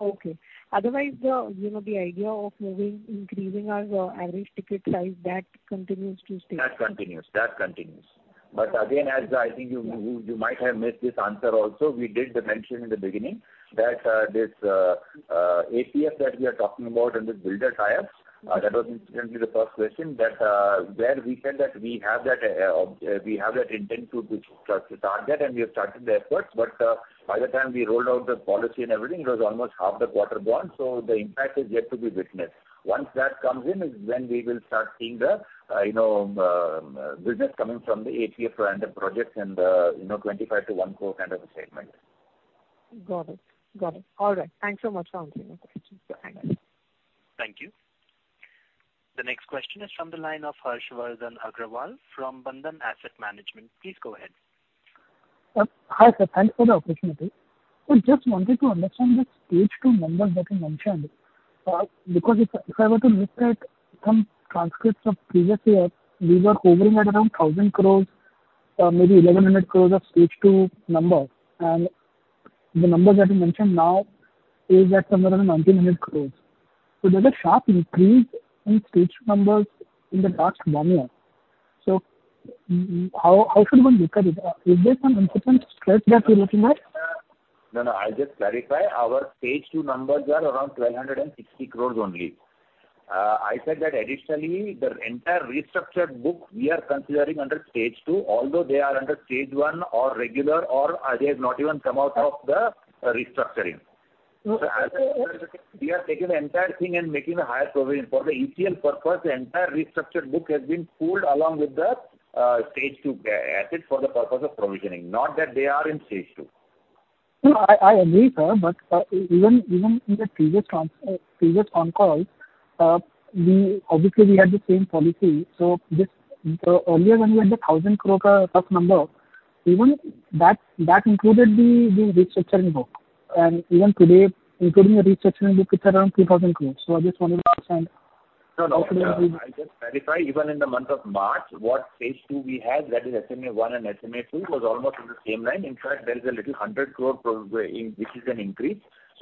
Okay. Otherwise, the, you know, the idea of moving, increasing our average ticket size, that continues to stay? That continues. Again, as I think you might have missed this answer also, we did the mention in the beginning that this APF that we are talking about and the builder tie-ups, that was incidentally the first question, that where we said that we have that intent to start the target and we have started the efforts. By the time we rolled out the policy and everything, it was almost half the quarter gone, the impact is yet to be witnessed. Once that comes in, is when we will start seeing the, you know, business coming from the APF random projects and the, you know, 25-1 crore kind of a segment. Got it. All right. Thanks so much for answering my questions. Thank you. Thank you. The next question is from the line of Harshvardhan Agrawal from Bandhan Asset Management. Please go ahead. Hi, sir. Thank you for the opportunity. I just wanted to understand the stage two numbers that you mentioned. If I were to look at some transcripts of previous years, these are hovering at around 1,000 crores, or maybe 1,100 crores of stage two number, and the number that you mentioned now is at somewhere around 1,900 crores. There's a sharp increase in stage two numbers in the last 1 year. How should one look at it? Is there some important stretch that you're looking at? No, no, I'll just clarify. Our stage two numbers are around 1,260 crores only. I said that additionally, the entire restructured book we are considering under stage two, although they are under stage one or regular, or they have not even come out of the restructuring. Okay. We are taking the entire thing and making a higher provision. For the ECL purpose, the entire restructured book has been pooled along with the stage two asset for the purpose of provisioning, not that they are in stage two. I agree, sir, even in the previous on-call, we obviously had the same policy. Just, earlier when we had the 1,000 crore rough number, even that included the restructuring book. Even today, including the restructuring book, it's around 3,000 crore. I just wanted to understand. No, no. How could it be... I just clarify, even in the month of March, what phase two we had, that is SMA 1 and SMA 2, was almost in the same line. In fact, there is a little 100 crore this is an increase.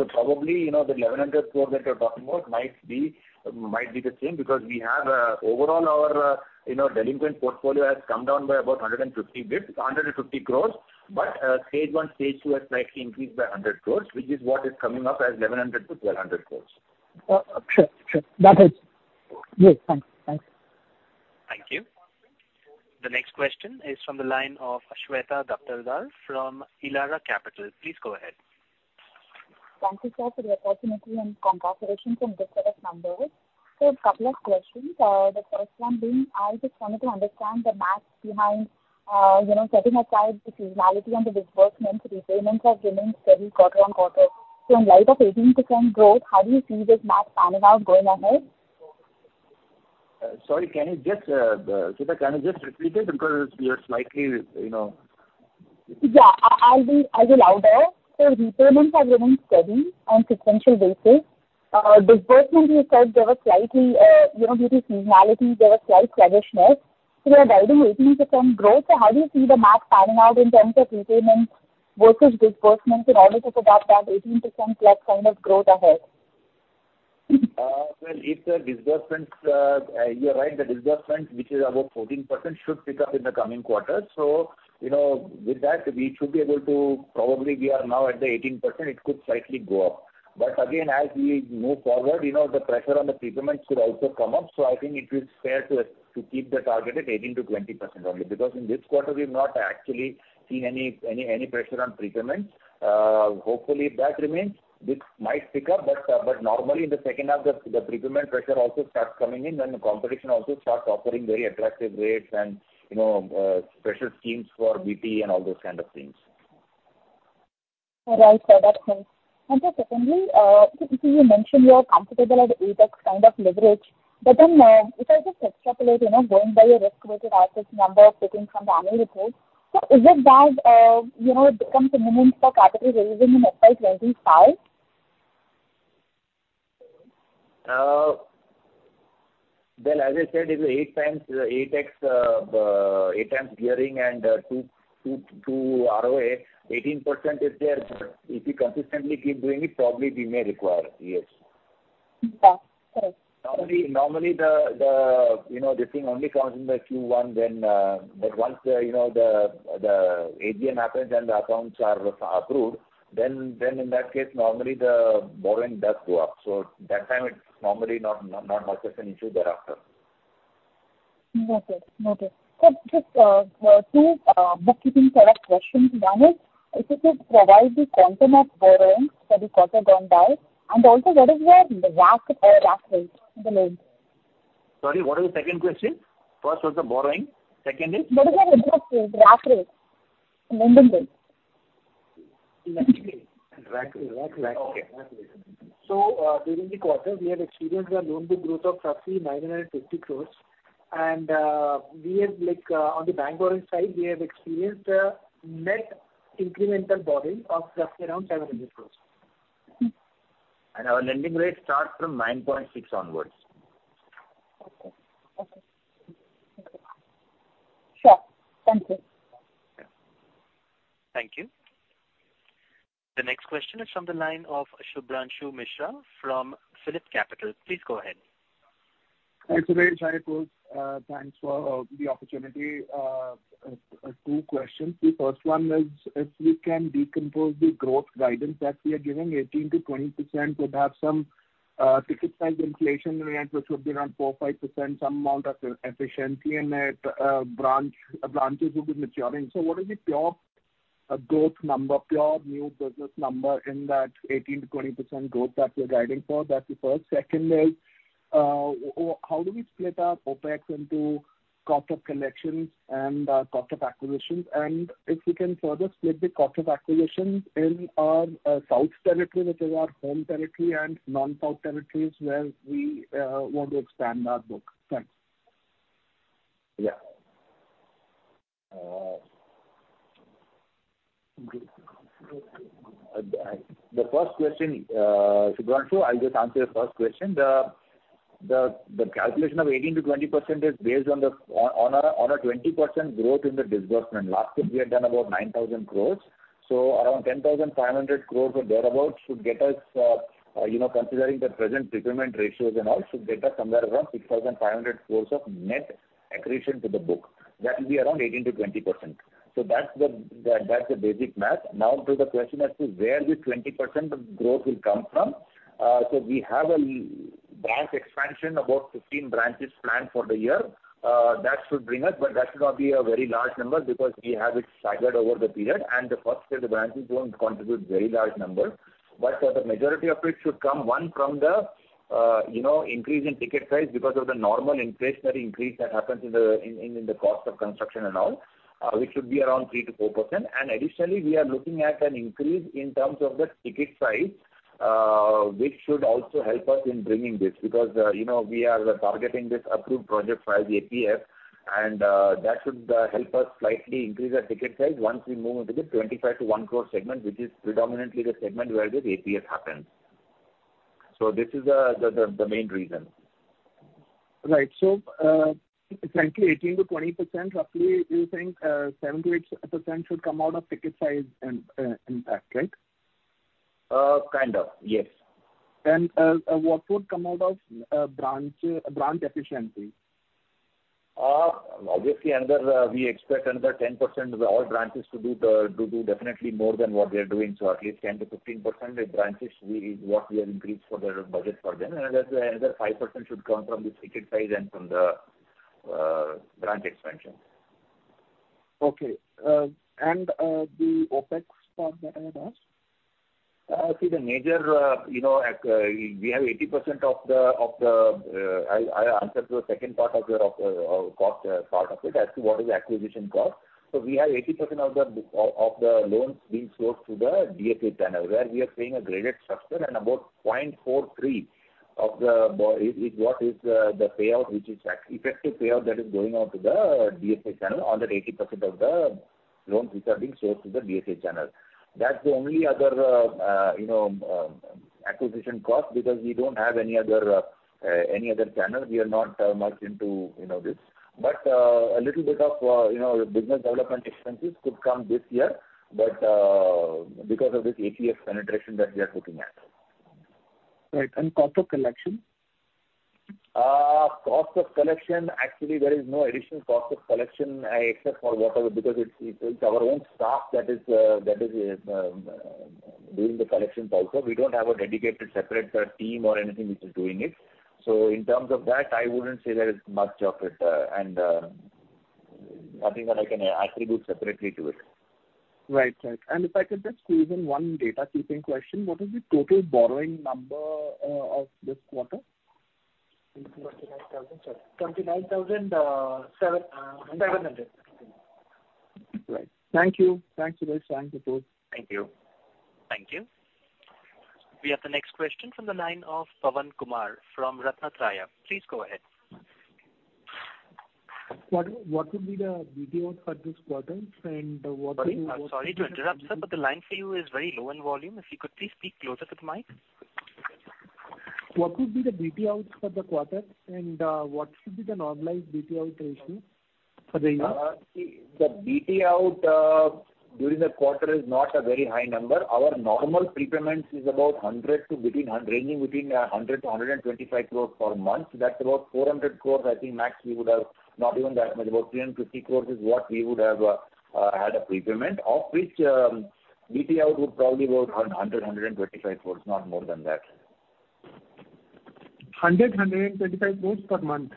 Probably, you know, the 1,100 crore that you're talking about might be the same, because we have, overall our, you know, delinquent portfolio has come down by about 150 bps, 150 crore. Stage one, stage two has slightly increased by 100 crore, which is what is coming up as 1,100 crore-1,200 crore. sure. That helps. Great. Thanks. Thank you. The next question is from the line of Shweta Daptardar from Elara Capital. Please go ahead. Thank you, sir, for the opportunity and congratulations on this set of numbers. A couple of questions. The first one being, I just wanted to understand the math behind, you know, setting aside the seasonality and the disbursements, repayments are giving steady quarter-on-quarter. In light of 18% growth, how do you see this math panning out going ahead? Sorry, can you just, Shweta, can you just repeat it? Because we are slightly, you know... I'll be louder. Repayments are running steady on sequential basis. Disbursement, you said there were slightly, you know, due to seasonality, there were slight sluggishness. You are guiding 18% growth, so how do you see the math panning out in terms of repayments versus disbursements in order to support that 18%+ kind of growth ahead? Well, if the disbursements, You're right, the disbursements, which is about 14%, should pick up in the coming quarters. You know, with that, we should be able to, probably, we are now at the 18%, it could slightly go up. Again, as we move forward, you know, the pressure on the prepayment should also come up. I think it is fair to keep the target at 18%-20% only. In this quarter, we've not actually seen any pressure on prepayment. Hopefully that remains. This might pick up, but normally in the second half, the prepayment pressure also starts coming in, and the competition also starts offering very attractive rates and, you know, special schemes for BP and all those kind of things. Right. Right. Okay. Just secondly, you mentioned you are comfortable at 8 kind of leverage, if I just extrapolate, you know, going by your risk-weighted assets number taken from the annual report, is it that, you know, it becomes minimum for category raising in FY25? Well, as I said, it's eight times, 8x, eight times gearing and two ROA. 18% is there. If we consistently keep doing it, probably we may require, yes. Okay. Normally the, you know, this thing only comes in the Q1, but once the, you know, the AGM happens and the accounts are approved, then in that case, normally the borrowing does go up. That time it's normally not much of an issue thereafter. Okay. Okay. Just 2 bookkeeping sort of questions. One is, if you could provide the content of borrowing for the quarter gone by, and also what is your RAC rate for the loan? Sorry, what is the second question? First was the borrowing. Second is? What is your growth rate, RAC rate? Lending rate. RAC rate. RAC, okay, RAC rate. During the quarter, we have experienced a loan book growth of roughly 950 crores. We have like on the bank borrowing side, we have experienced a net incremental borrowing of roughly around 700 crores. Our lending rates start from 9.6% onwards. Okay. Okay. Sure. Thank you. Thank you. The next question is from the line of Shubhranshu Mishra from PhillipCapital. Please go ahead. Thanks a lot. Thanks for the opportunity. Two questions. The first one is, if you can decompose the growth guidance that we are giving, 18%-20%, would have some ticket size inflation rate, which would be around 4%-5%, some amount of e-efficiency in it, branches would be maturing. What is the pure growth number, pure new business number in that 18%-20% growth that we're guiding for? That's the first. Second is, how do we split our OpEx into cost of collections and cost of acquisitions? If you can further split the cost of acquisitions in south territory, which is our home territory, and non-south territories where we want to expand our book. Thanks. Yeah. The first question, Shubhranshu, I'll just answer your first question. The calculation of 18%-20% is based on a 20% growth in the disbursement. Last year, we had done about 9,000 crores. Around 10,500 crores or thereabout should get us, you know, considering the present prepayment ratios and all, should get us somewhere around 6,500 crores of net accretion to the book. That will be around 18%-20%. That's the basic math. Now to the question as to where the 20% of growth will come from. We have branch expansion, about 15 branches planned for the year. That should bring us, but that should not be a very large number because we have it staggered over the period, and the first year, the branches won't contribute very large numbers. For the majority of it should come, one, from the, you know, increase in ticket size because of the normal inflationary increase that happens in the cost of construction and all, which should be around 3%-4%. Additionally, we are looking at an increase in terms of the ticket size, which should also help us in bringing this, because, you know, we are targeting this approved project via the ATS, and that should help us slightly increase our ticket size once we move into the 25 to 1 crore segment, which is predominantly the segment where this ATS happens. This is the main reason. Right. frankly, 18%-20%, roughly, you think, 7%-8% should come out of ticket size and impact, right? kind of, yes. What would come out of branch efficiency? Obviously, another, we expect another 10% of all branches to do definitely more than what we are doing. At least 10%-15% with branches, what we have increased for the budget for them, and another 5% should come from the ticket size and from the branch expansion. Okay. The OpEx part that I had asked? See, the major, you know, at, we have 80% of the, of the, I answered the second part of your cost part of it as to what is the acquisition cost. We have 80% of the loans being sourced to the DSA channel, where we are seeing a graded structure and about 0.43 of the is what is the payout, which is effective payout that is going out to the DSA channel on that 80% of the loans which are being sourced to the DSA channel. That's the only other, you know, acquisition cost, because we don't have any other, any other channel. We are not much into, you know, this. A little bit of, you know, business development expenses could come this year, but because of this ATS penetration that we are looking at. Right. Cost of collection? Cost of collection, actually, there is no additional cost of collection except for whatever, because it's our own staff that is doing the collections also. We don't have a dedicated separate team or anything which is doing it. In terms of that, I wouldn't say there is much of it, and nothing that I can attribute separately to it. Right, right. If I could just squeeze in one data keeping question, what is the total borrowing number of this quarter? 29,000, sir. 29,700. Right. Thank you. Thanks a lot. Thanks, Subodh. Thank you. Thank you. We have the next question from the line of Pawan Kumar from Yantra. Please go ahead. What will be the BT out for this quarter, and? Sorry, I'm sorry to interrupt, sir, but the line for you is very low in volume. If you could please speak closer to the mic. What would be the BT outs for the quarter, and what should be the normalized BT out ratio for the year? The BT out during the quarter is not a very high number. Our normal prepayments is ranging between 100 to 125 crores per month. That's about 400 crores, I think max we would have, not even that much. About 350 crores is what we would have had a prepayment, of which BT out would probably about 100 to 125 crores, not more than that. 125 crores per month?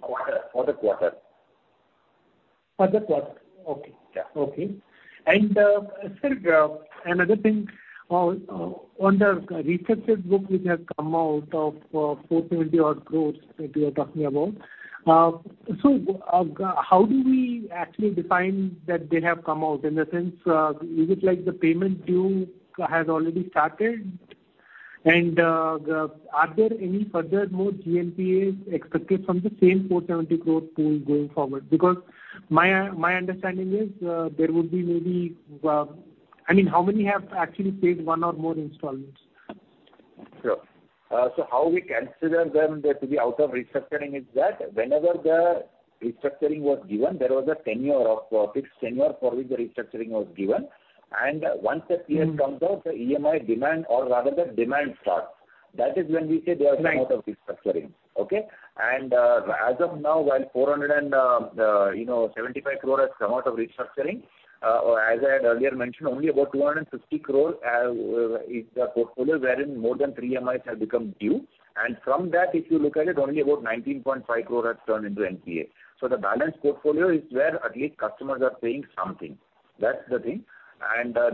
Quarter. For the quarter. For the quarter, okay. Yeah. Okay. Sir, another thing on the restructured book which has come out of 4.70 odd crores that you are talking about. How do we actually define that they have come out, in the sense, is it like the payment due has already started? Are there any further more GNPA expected from the same 470 crore pool going forward? Because my understanding is, there would be maybe... I mean, how many have actually paid one or more installments? Sure. How we consider them there to be out of restructuring is that whenever the restructuring was given, there was a tenure of fixed tenure for which the restructuring was given. Once the period comes out, the EMI demand or rather the demand starts. That is when we say they are come out of restructuring. Right. Okay? As of now, while 475 crore has come out of restructuring, as I had earlier mentioned, only about 250 crore is the portfolio wherein more than 3 EMIs have become due. From that, if you look at it, only about 19.5 crore has turned into NPA. The balance portfolio is where at least customers are paying something. That's the thing.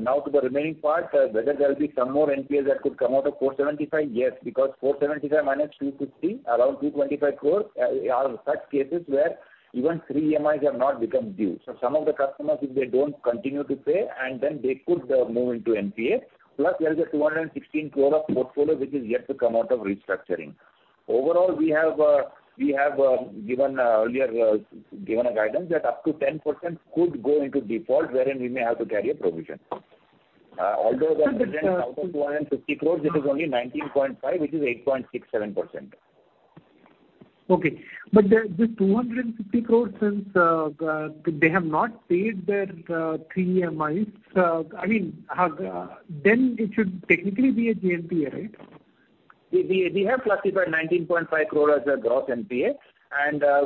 Now to the remaining part, whether there will be some more NPA that could come out of 475? Yes, because 475 minus 250, around 225 crore, are such cases where even 3 EMIs have not become due. Some of the customers, if they don't continue to pay, and then they could move into NPA, plus there is a 216 crore of portfolio which is yet to come out of restructuring. Overall, we have given earlier a guidance that up to 10% could go into default, wherein we may have to carry a provision. Although the provision out of 250 crore, this is only 19.5, which is 8.67%. Okay. This 250 crores, since they have not paid their 3 EMIs, I mean, then it should technically be a GNPA, right? We have classified 19.5 crore as a gross NPA.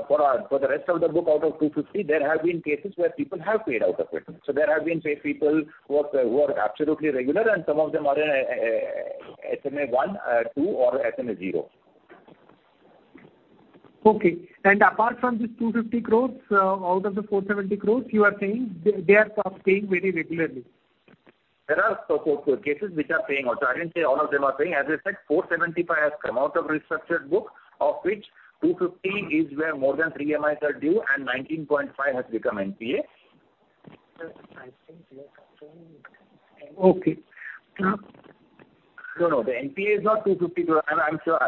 For the rest of the book, out of 250 crore, there have been cases where people have paid out of it. There have been say, people who are absolutely regular, and some of them are in SMA 1, 2, or SMA 0. Okay. Apart from this 250 crores, out of the 470 crores, you are saying they are paying very regularly? There are so cases which are paying out. I didn't say all of them are paying. As I said, 475 has come out of restructured book, of which 250 is where more than 3 EMIs are due, and 19.5 has become NPA. Sir, I think you are... Okay. No, no, the NPA is not 250 crore. I'm sure.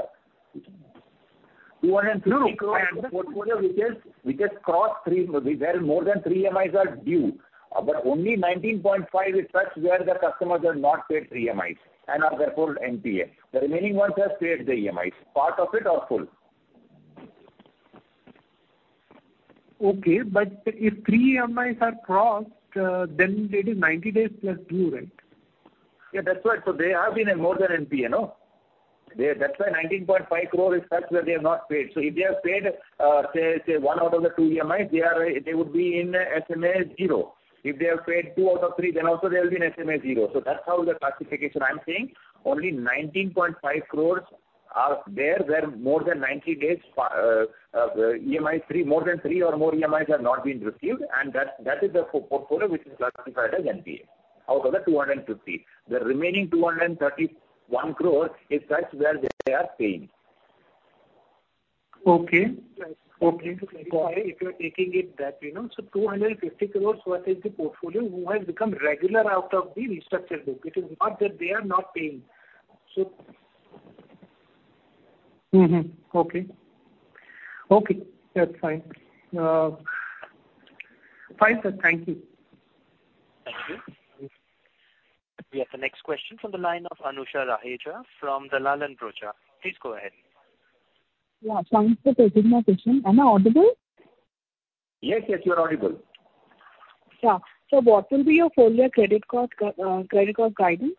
250 crore- No, no, I understand. Portfolio, which has crossed 3... Where more than 3 EMIs are due, only 19.5 is such where the customers have not paid 3 EMIs, and are therefore NPA. The remaining ones have paid their EMIs, part of it or full. If 3 EMIs are crossed, then it is 90 days plus due, right? Yeah, that's right. They have been in more than NPA, no? That's why 19.5 crore is such where they have not paid. If they have paid, say one out of the two EMIs, they would be in SMA zero. If they have paid two out of three, then also they will be in SMA zero. That's how the classification. I'm saying only 19.5 crores are there, where more than 90 days, EMI three, more than three or more EMIs have not been received, and that is the portfolio which is classified as NPA, out of the 250 crore. The remaining 231 crore is such where they are paying. Okay. Okay. If you are taking it that way, now, 250 crores worth is the portfolio who has become regular out of the restructured book. It is not that they are not paying. Mm-hmm. Okay. Okay, that's fine. Fine, sir, thank you. Thank you. We have the next question from the line of Anusha Raheja from Dalal & Broacha. Please go ahead. Thanks for taking my question. Am I audible? Yes, yes, you are audible. Yeah. What will be your full year credit cost guidance?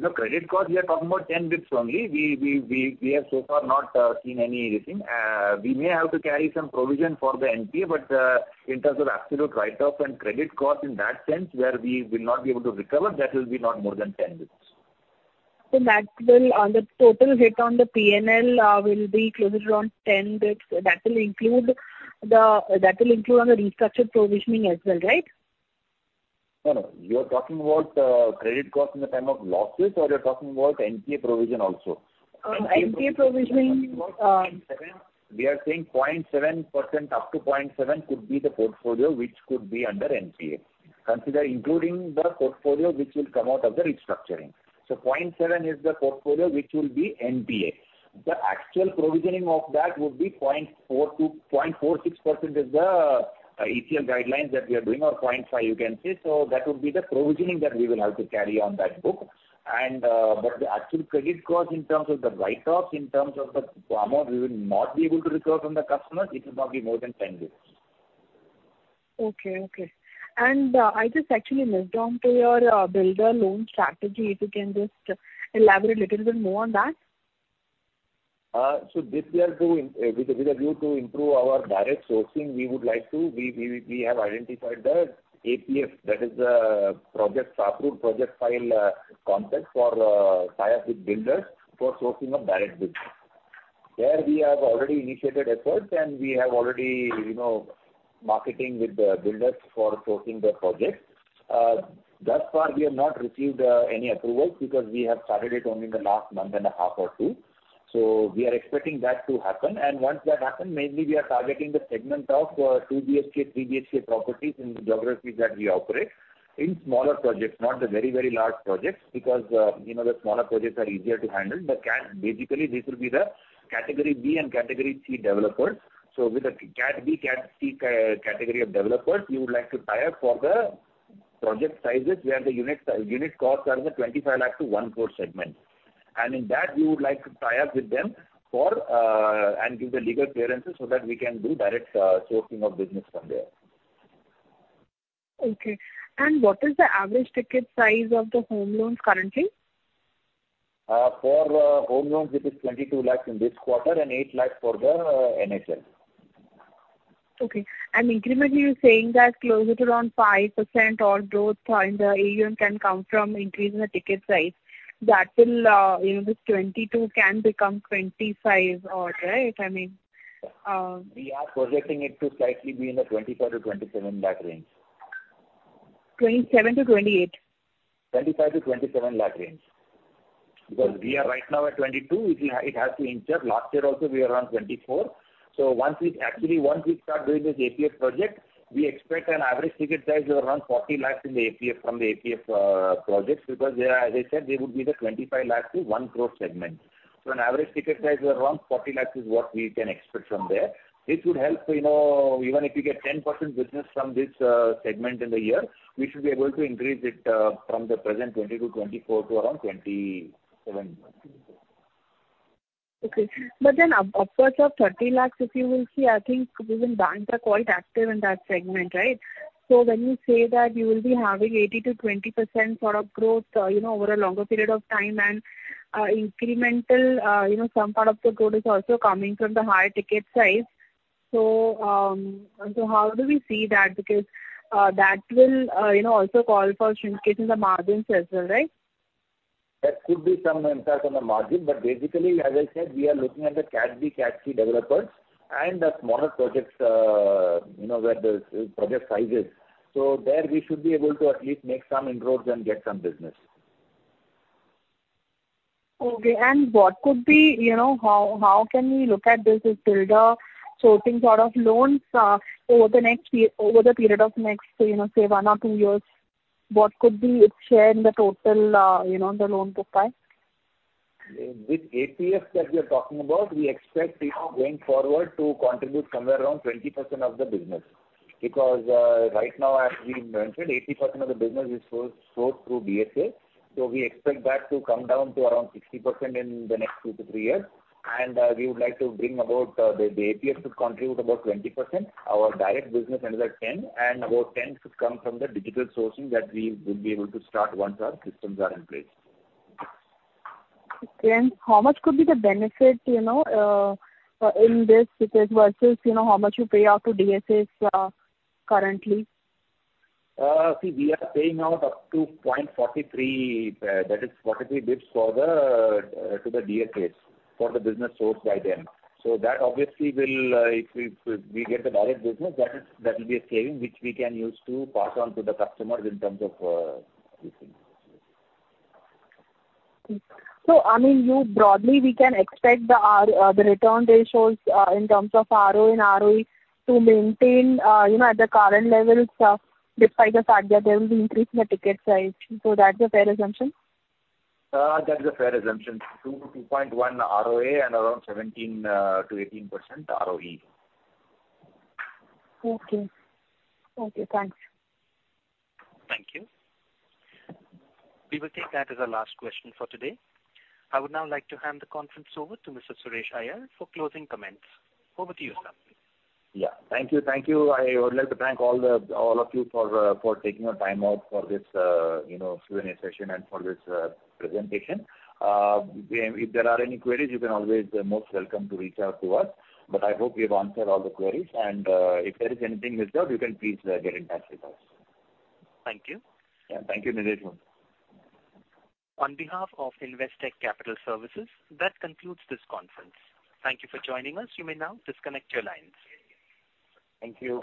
The credit cost, we are talking about 10 bps only. We have so far not seen anything. We may have to carry some provision for the NPA, but in terms of absolute write-off and credit cost in that sense, where we will not be able to recover, that will be not more than 10 bps. ... that will the total hit on the PNL will be closer to around 10 bps. That will include on the restructured provisioning as well, right? No, no. You are talking about credit cost in the term of losses, or you're talking about NPA provision also? NPA provisioning. We are saying 0.7%, up to 0.7 could be the portfolio which could be under NPA. Consider including the portfolio which will come out of the restructuring. Point 0.7 is the portfolio which will be NPA. The actual provisioning of that would be 0.4%-0.46% is the ECL guidelines that we are doing, or 0.5, you can say. That would be the provisioning that we will have to carry on that book. But the actual credit cost in terms of the write-offs, in terms of the amount we will not be able to recover from the customers, it will not be more than 10 bps. Okay, okay. I just actually moved on to your builder loan strategy. If you can just elaborate a little bit more on that? This we are doing, with a view to improve our direct sourcing, we would like to. We have identified the APF, that is, the project approved, project file, concept for tie-up with builders for sourcing of direct business. There we have already initiated efforts, we have already, you know, marketing with the builders for sourcing the projects. Thus far, we have not received any approvals because we have started it only in the last month and a half or 2. We are expecting that to happen, once that happens, mainly we are targeting the segment of 2 BHK, 3 BHK properties in the geographies that we operate in smaller projects, not the very large projects, because, you know, the smaller projects are easier to handle. Basically, this will be the Category B and Category C developers. With the cat B, cat C, category of developers, we would like to tie up for the project sizes, where the unit costs are in the 25 lakhs to 1 crore segment. In that, we would like to tie up with them for, and give the legal clearances so that we can do direct sourcing of business from there. Okay. What is the average ticket size of the home loans currently? For home loans, it is 22 lakhs in this quarter and 8 lakhs for the NHL. Okay. Incrementally, you're saying that closer to around 5% or growth in the AUM can come from increase in the ticket size. That will, you know, this 22 can become 25 or right, I mean. We are projecting it to slightly be in the 25 lakh-27 lakh range. 27 to 28? 25 lakh-27 lakh range. Because we are right now at 22 lakh, it has to inch up. Last year also, we were around 24 lakh. Once we, actually, once we start doing this APF project, we expect an average ticket size of around 40 lakh in the APF, from the APF projects, because they are, as I said, they would be the 25 lakh-1 crore segment. An average ticket size around 40 lakh is what we can expect from there. This would help, you know, even if we get 10% business from this segment in the year, we should be able to increase it from the present 20 lakh-24 lakh to around 27 lakh. Okay. Upwards of 30 lakhs, if you will see, I think even banks are quite active in that segment, right? When you say that you will be having 80%-20% sort of growth, you know, over a longer period of time, and incremental, you know, some part of the growth is also coming from the higher ticket size. How do we see that? Because that will, you know, also call for shrinkage in the margins as well, right? There could be some impact on the margin, but basically, as I said, we are looking at the Cat B, Cat C developers and the smaller projects, you know, where the project sizes. There, we should be able to at least make some inroads and get some business. Okay. What could be, you know, how can we look at this as builder sourcing sort of loans over the next year, over the period of next, you know, say, 1 or 2 years? What could be its share in the total, you know, the loan book size? With APFs that we are talking about, we expect, you know, going forward to contribute somewhere around 20% of the business. Right now, as we mentioned, 80% of the business is sourced through DSAs. We expect that to come down to around 60% in the next 2-3 years. We would like to bring about the APFs to contribute about 20%, our direct business another 10, and about 10 could come from the digital sourcing that we would be able to start once our systems are in place. Okay. How much could be the benefit, you know, in this versus, you know, how much you pay out to DSAs, currently? See, we are paying out up to 0.43, that is 43 bps, for the to the DSAs, for the business sourced by them. That obviously will, if we get the direct business, that is, that will be a saving, which we can use to pass on to the customers in terms of using. I mean, you broadly, we can expect the return ratios in terms of ROE and ROE to maintain, you know, at the current levels, despite the fact that there will be increase in the ticket size. That's a fair assumption? That is a fair assumption, 2-2.1 ROA and around 17%-18% ROE. Okay. Thank you. Thanks. Thank you. We will take that as our last question for today. I would now like to hand the conference over to Mr. Suresh Iyer for closing comments. Over to you, sir. Yeah. Thank you. Thank you. I would like to thank all the, all of you for for taking your time out for this, you know, Q&A session and for this presentation. If there are any queries, you can always be most welcome to reach out to us. I hope we have answered all the queries. If there is anything missed out, you can please get in touch with us. Thank you. Yeah. Thank you, Nilesh. On behalf of Investec Capital Services, that concludes this conference. Thank you for joining us. You may now disconnect your lines. Thank you.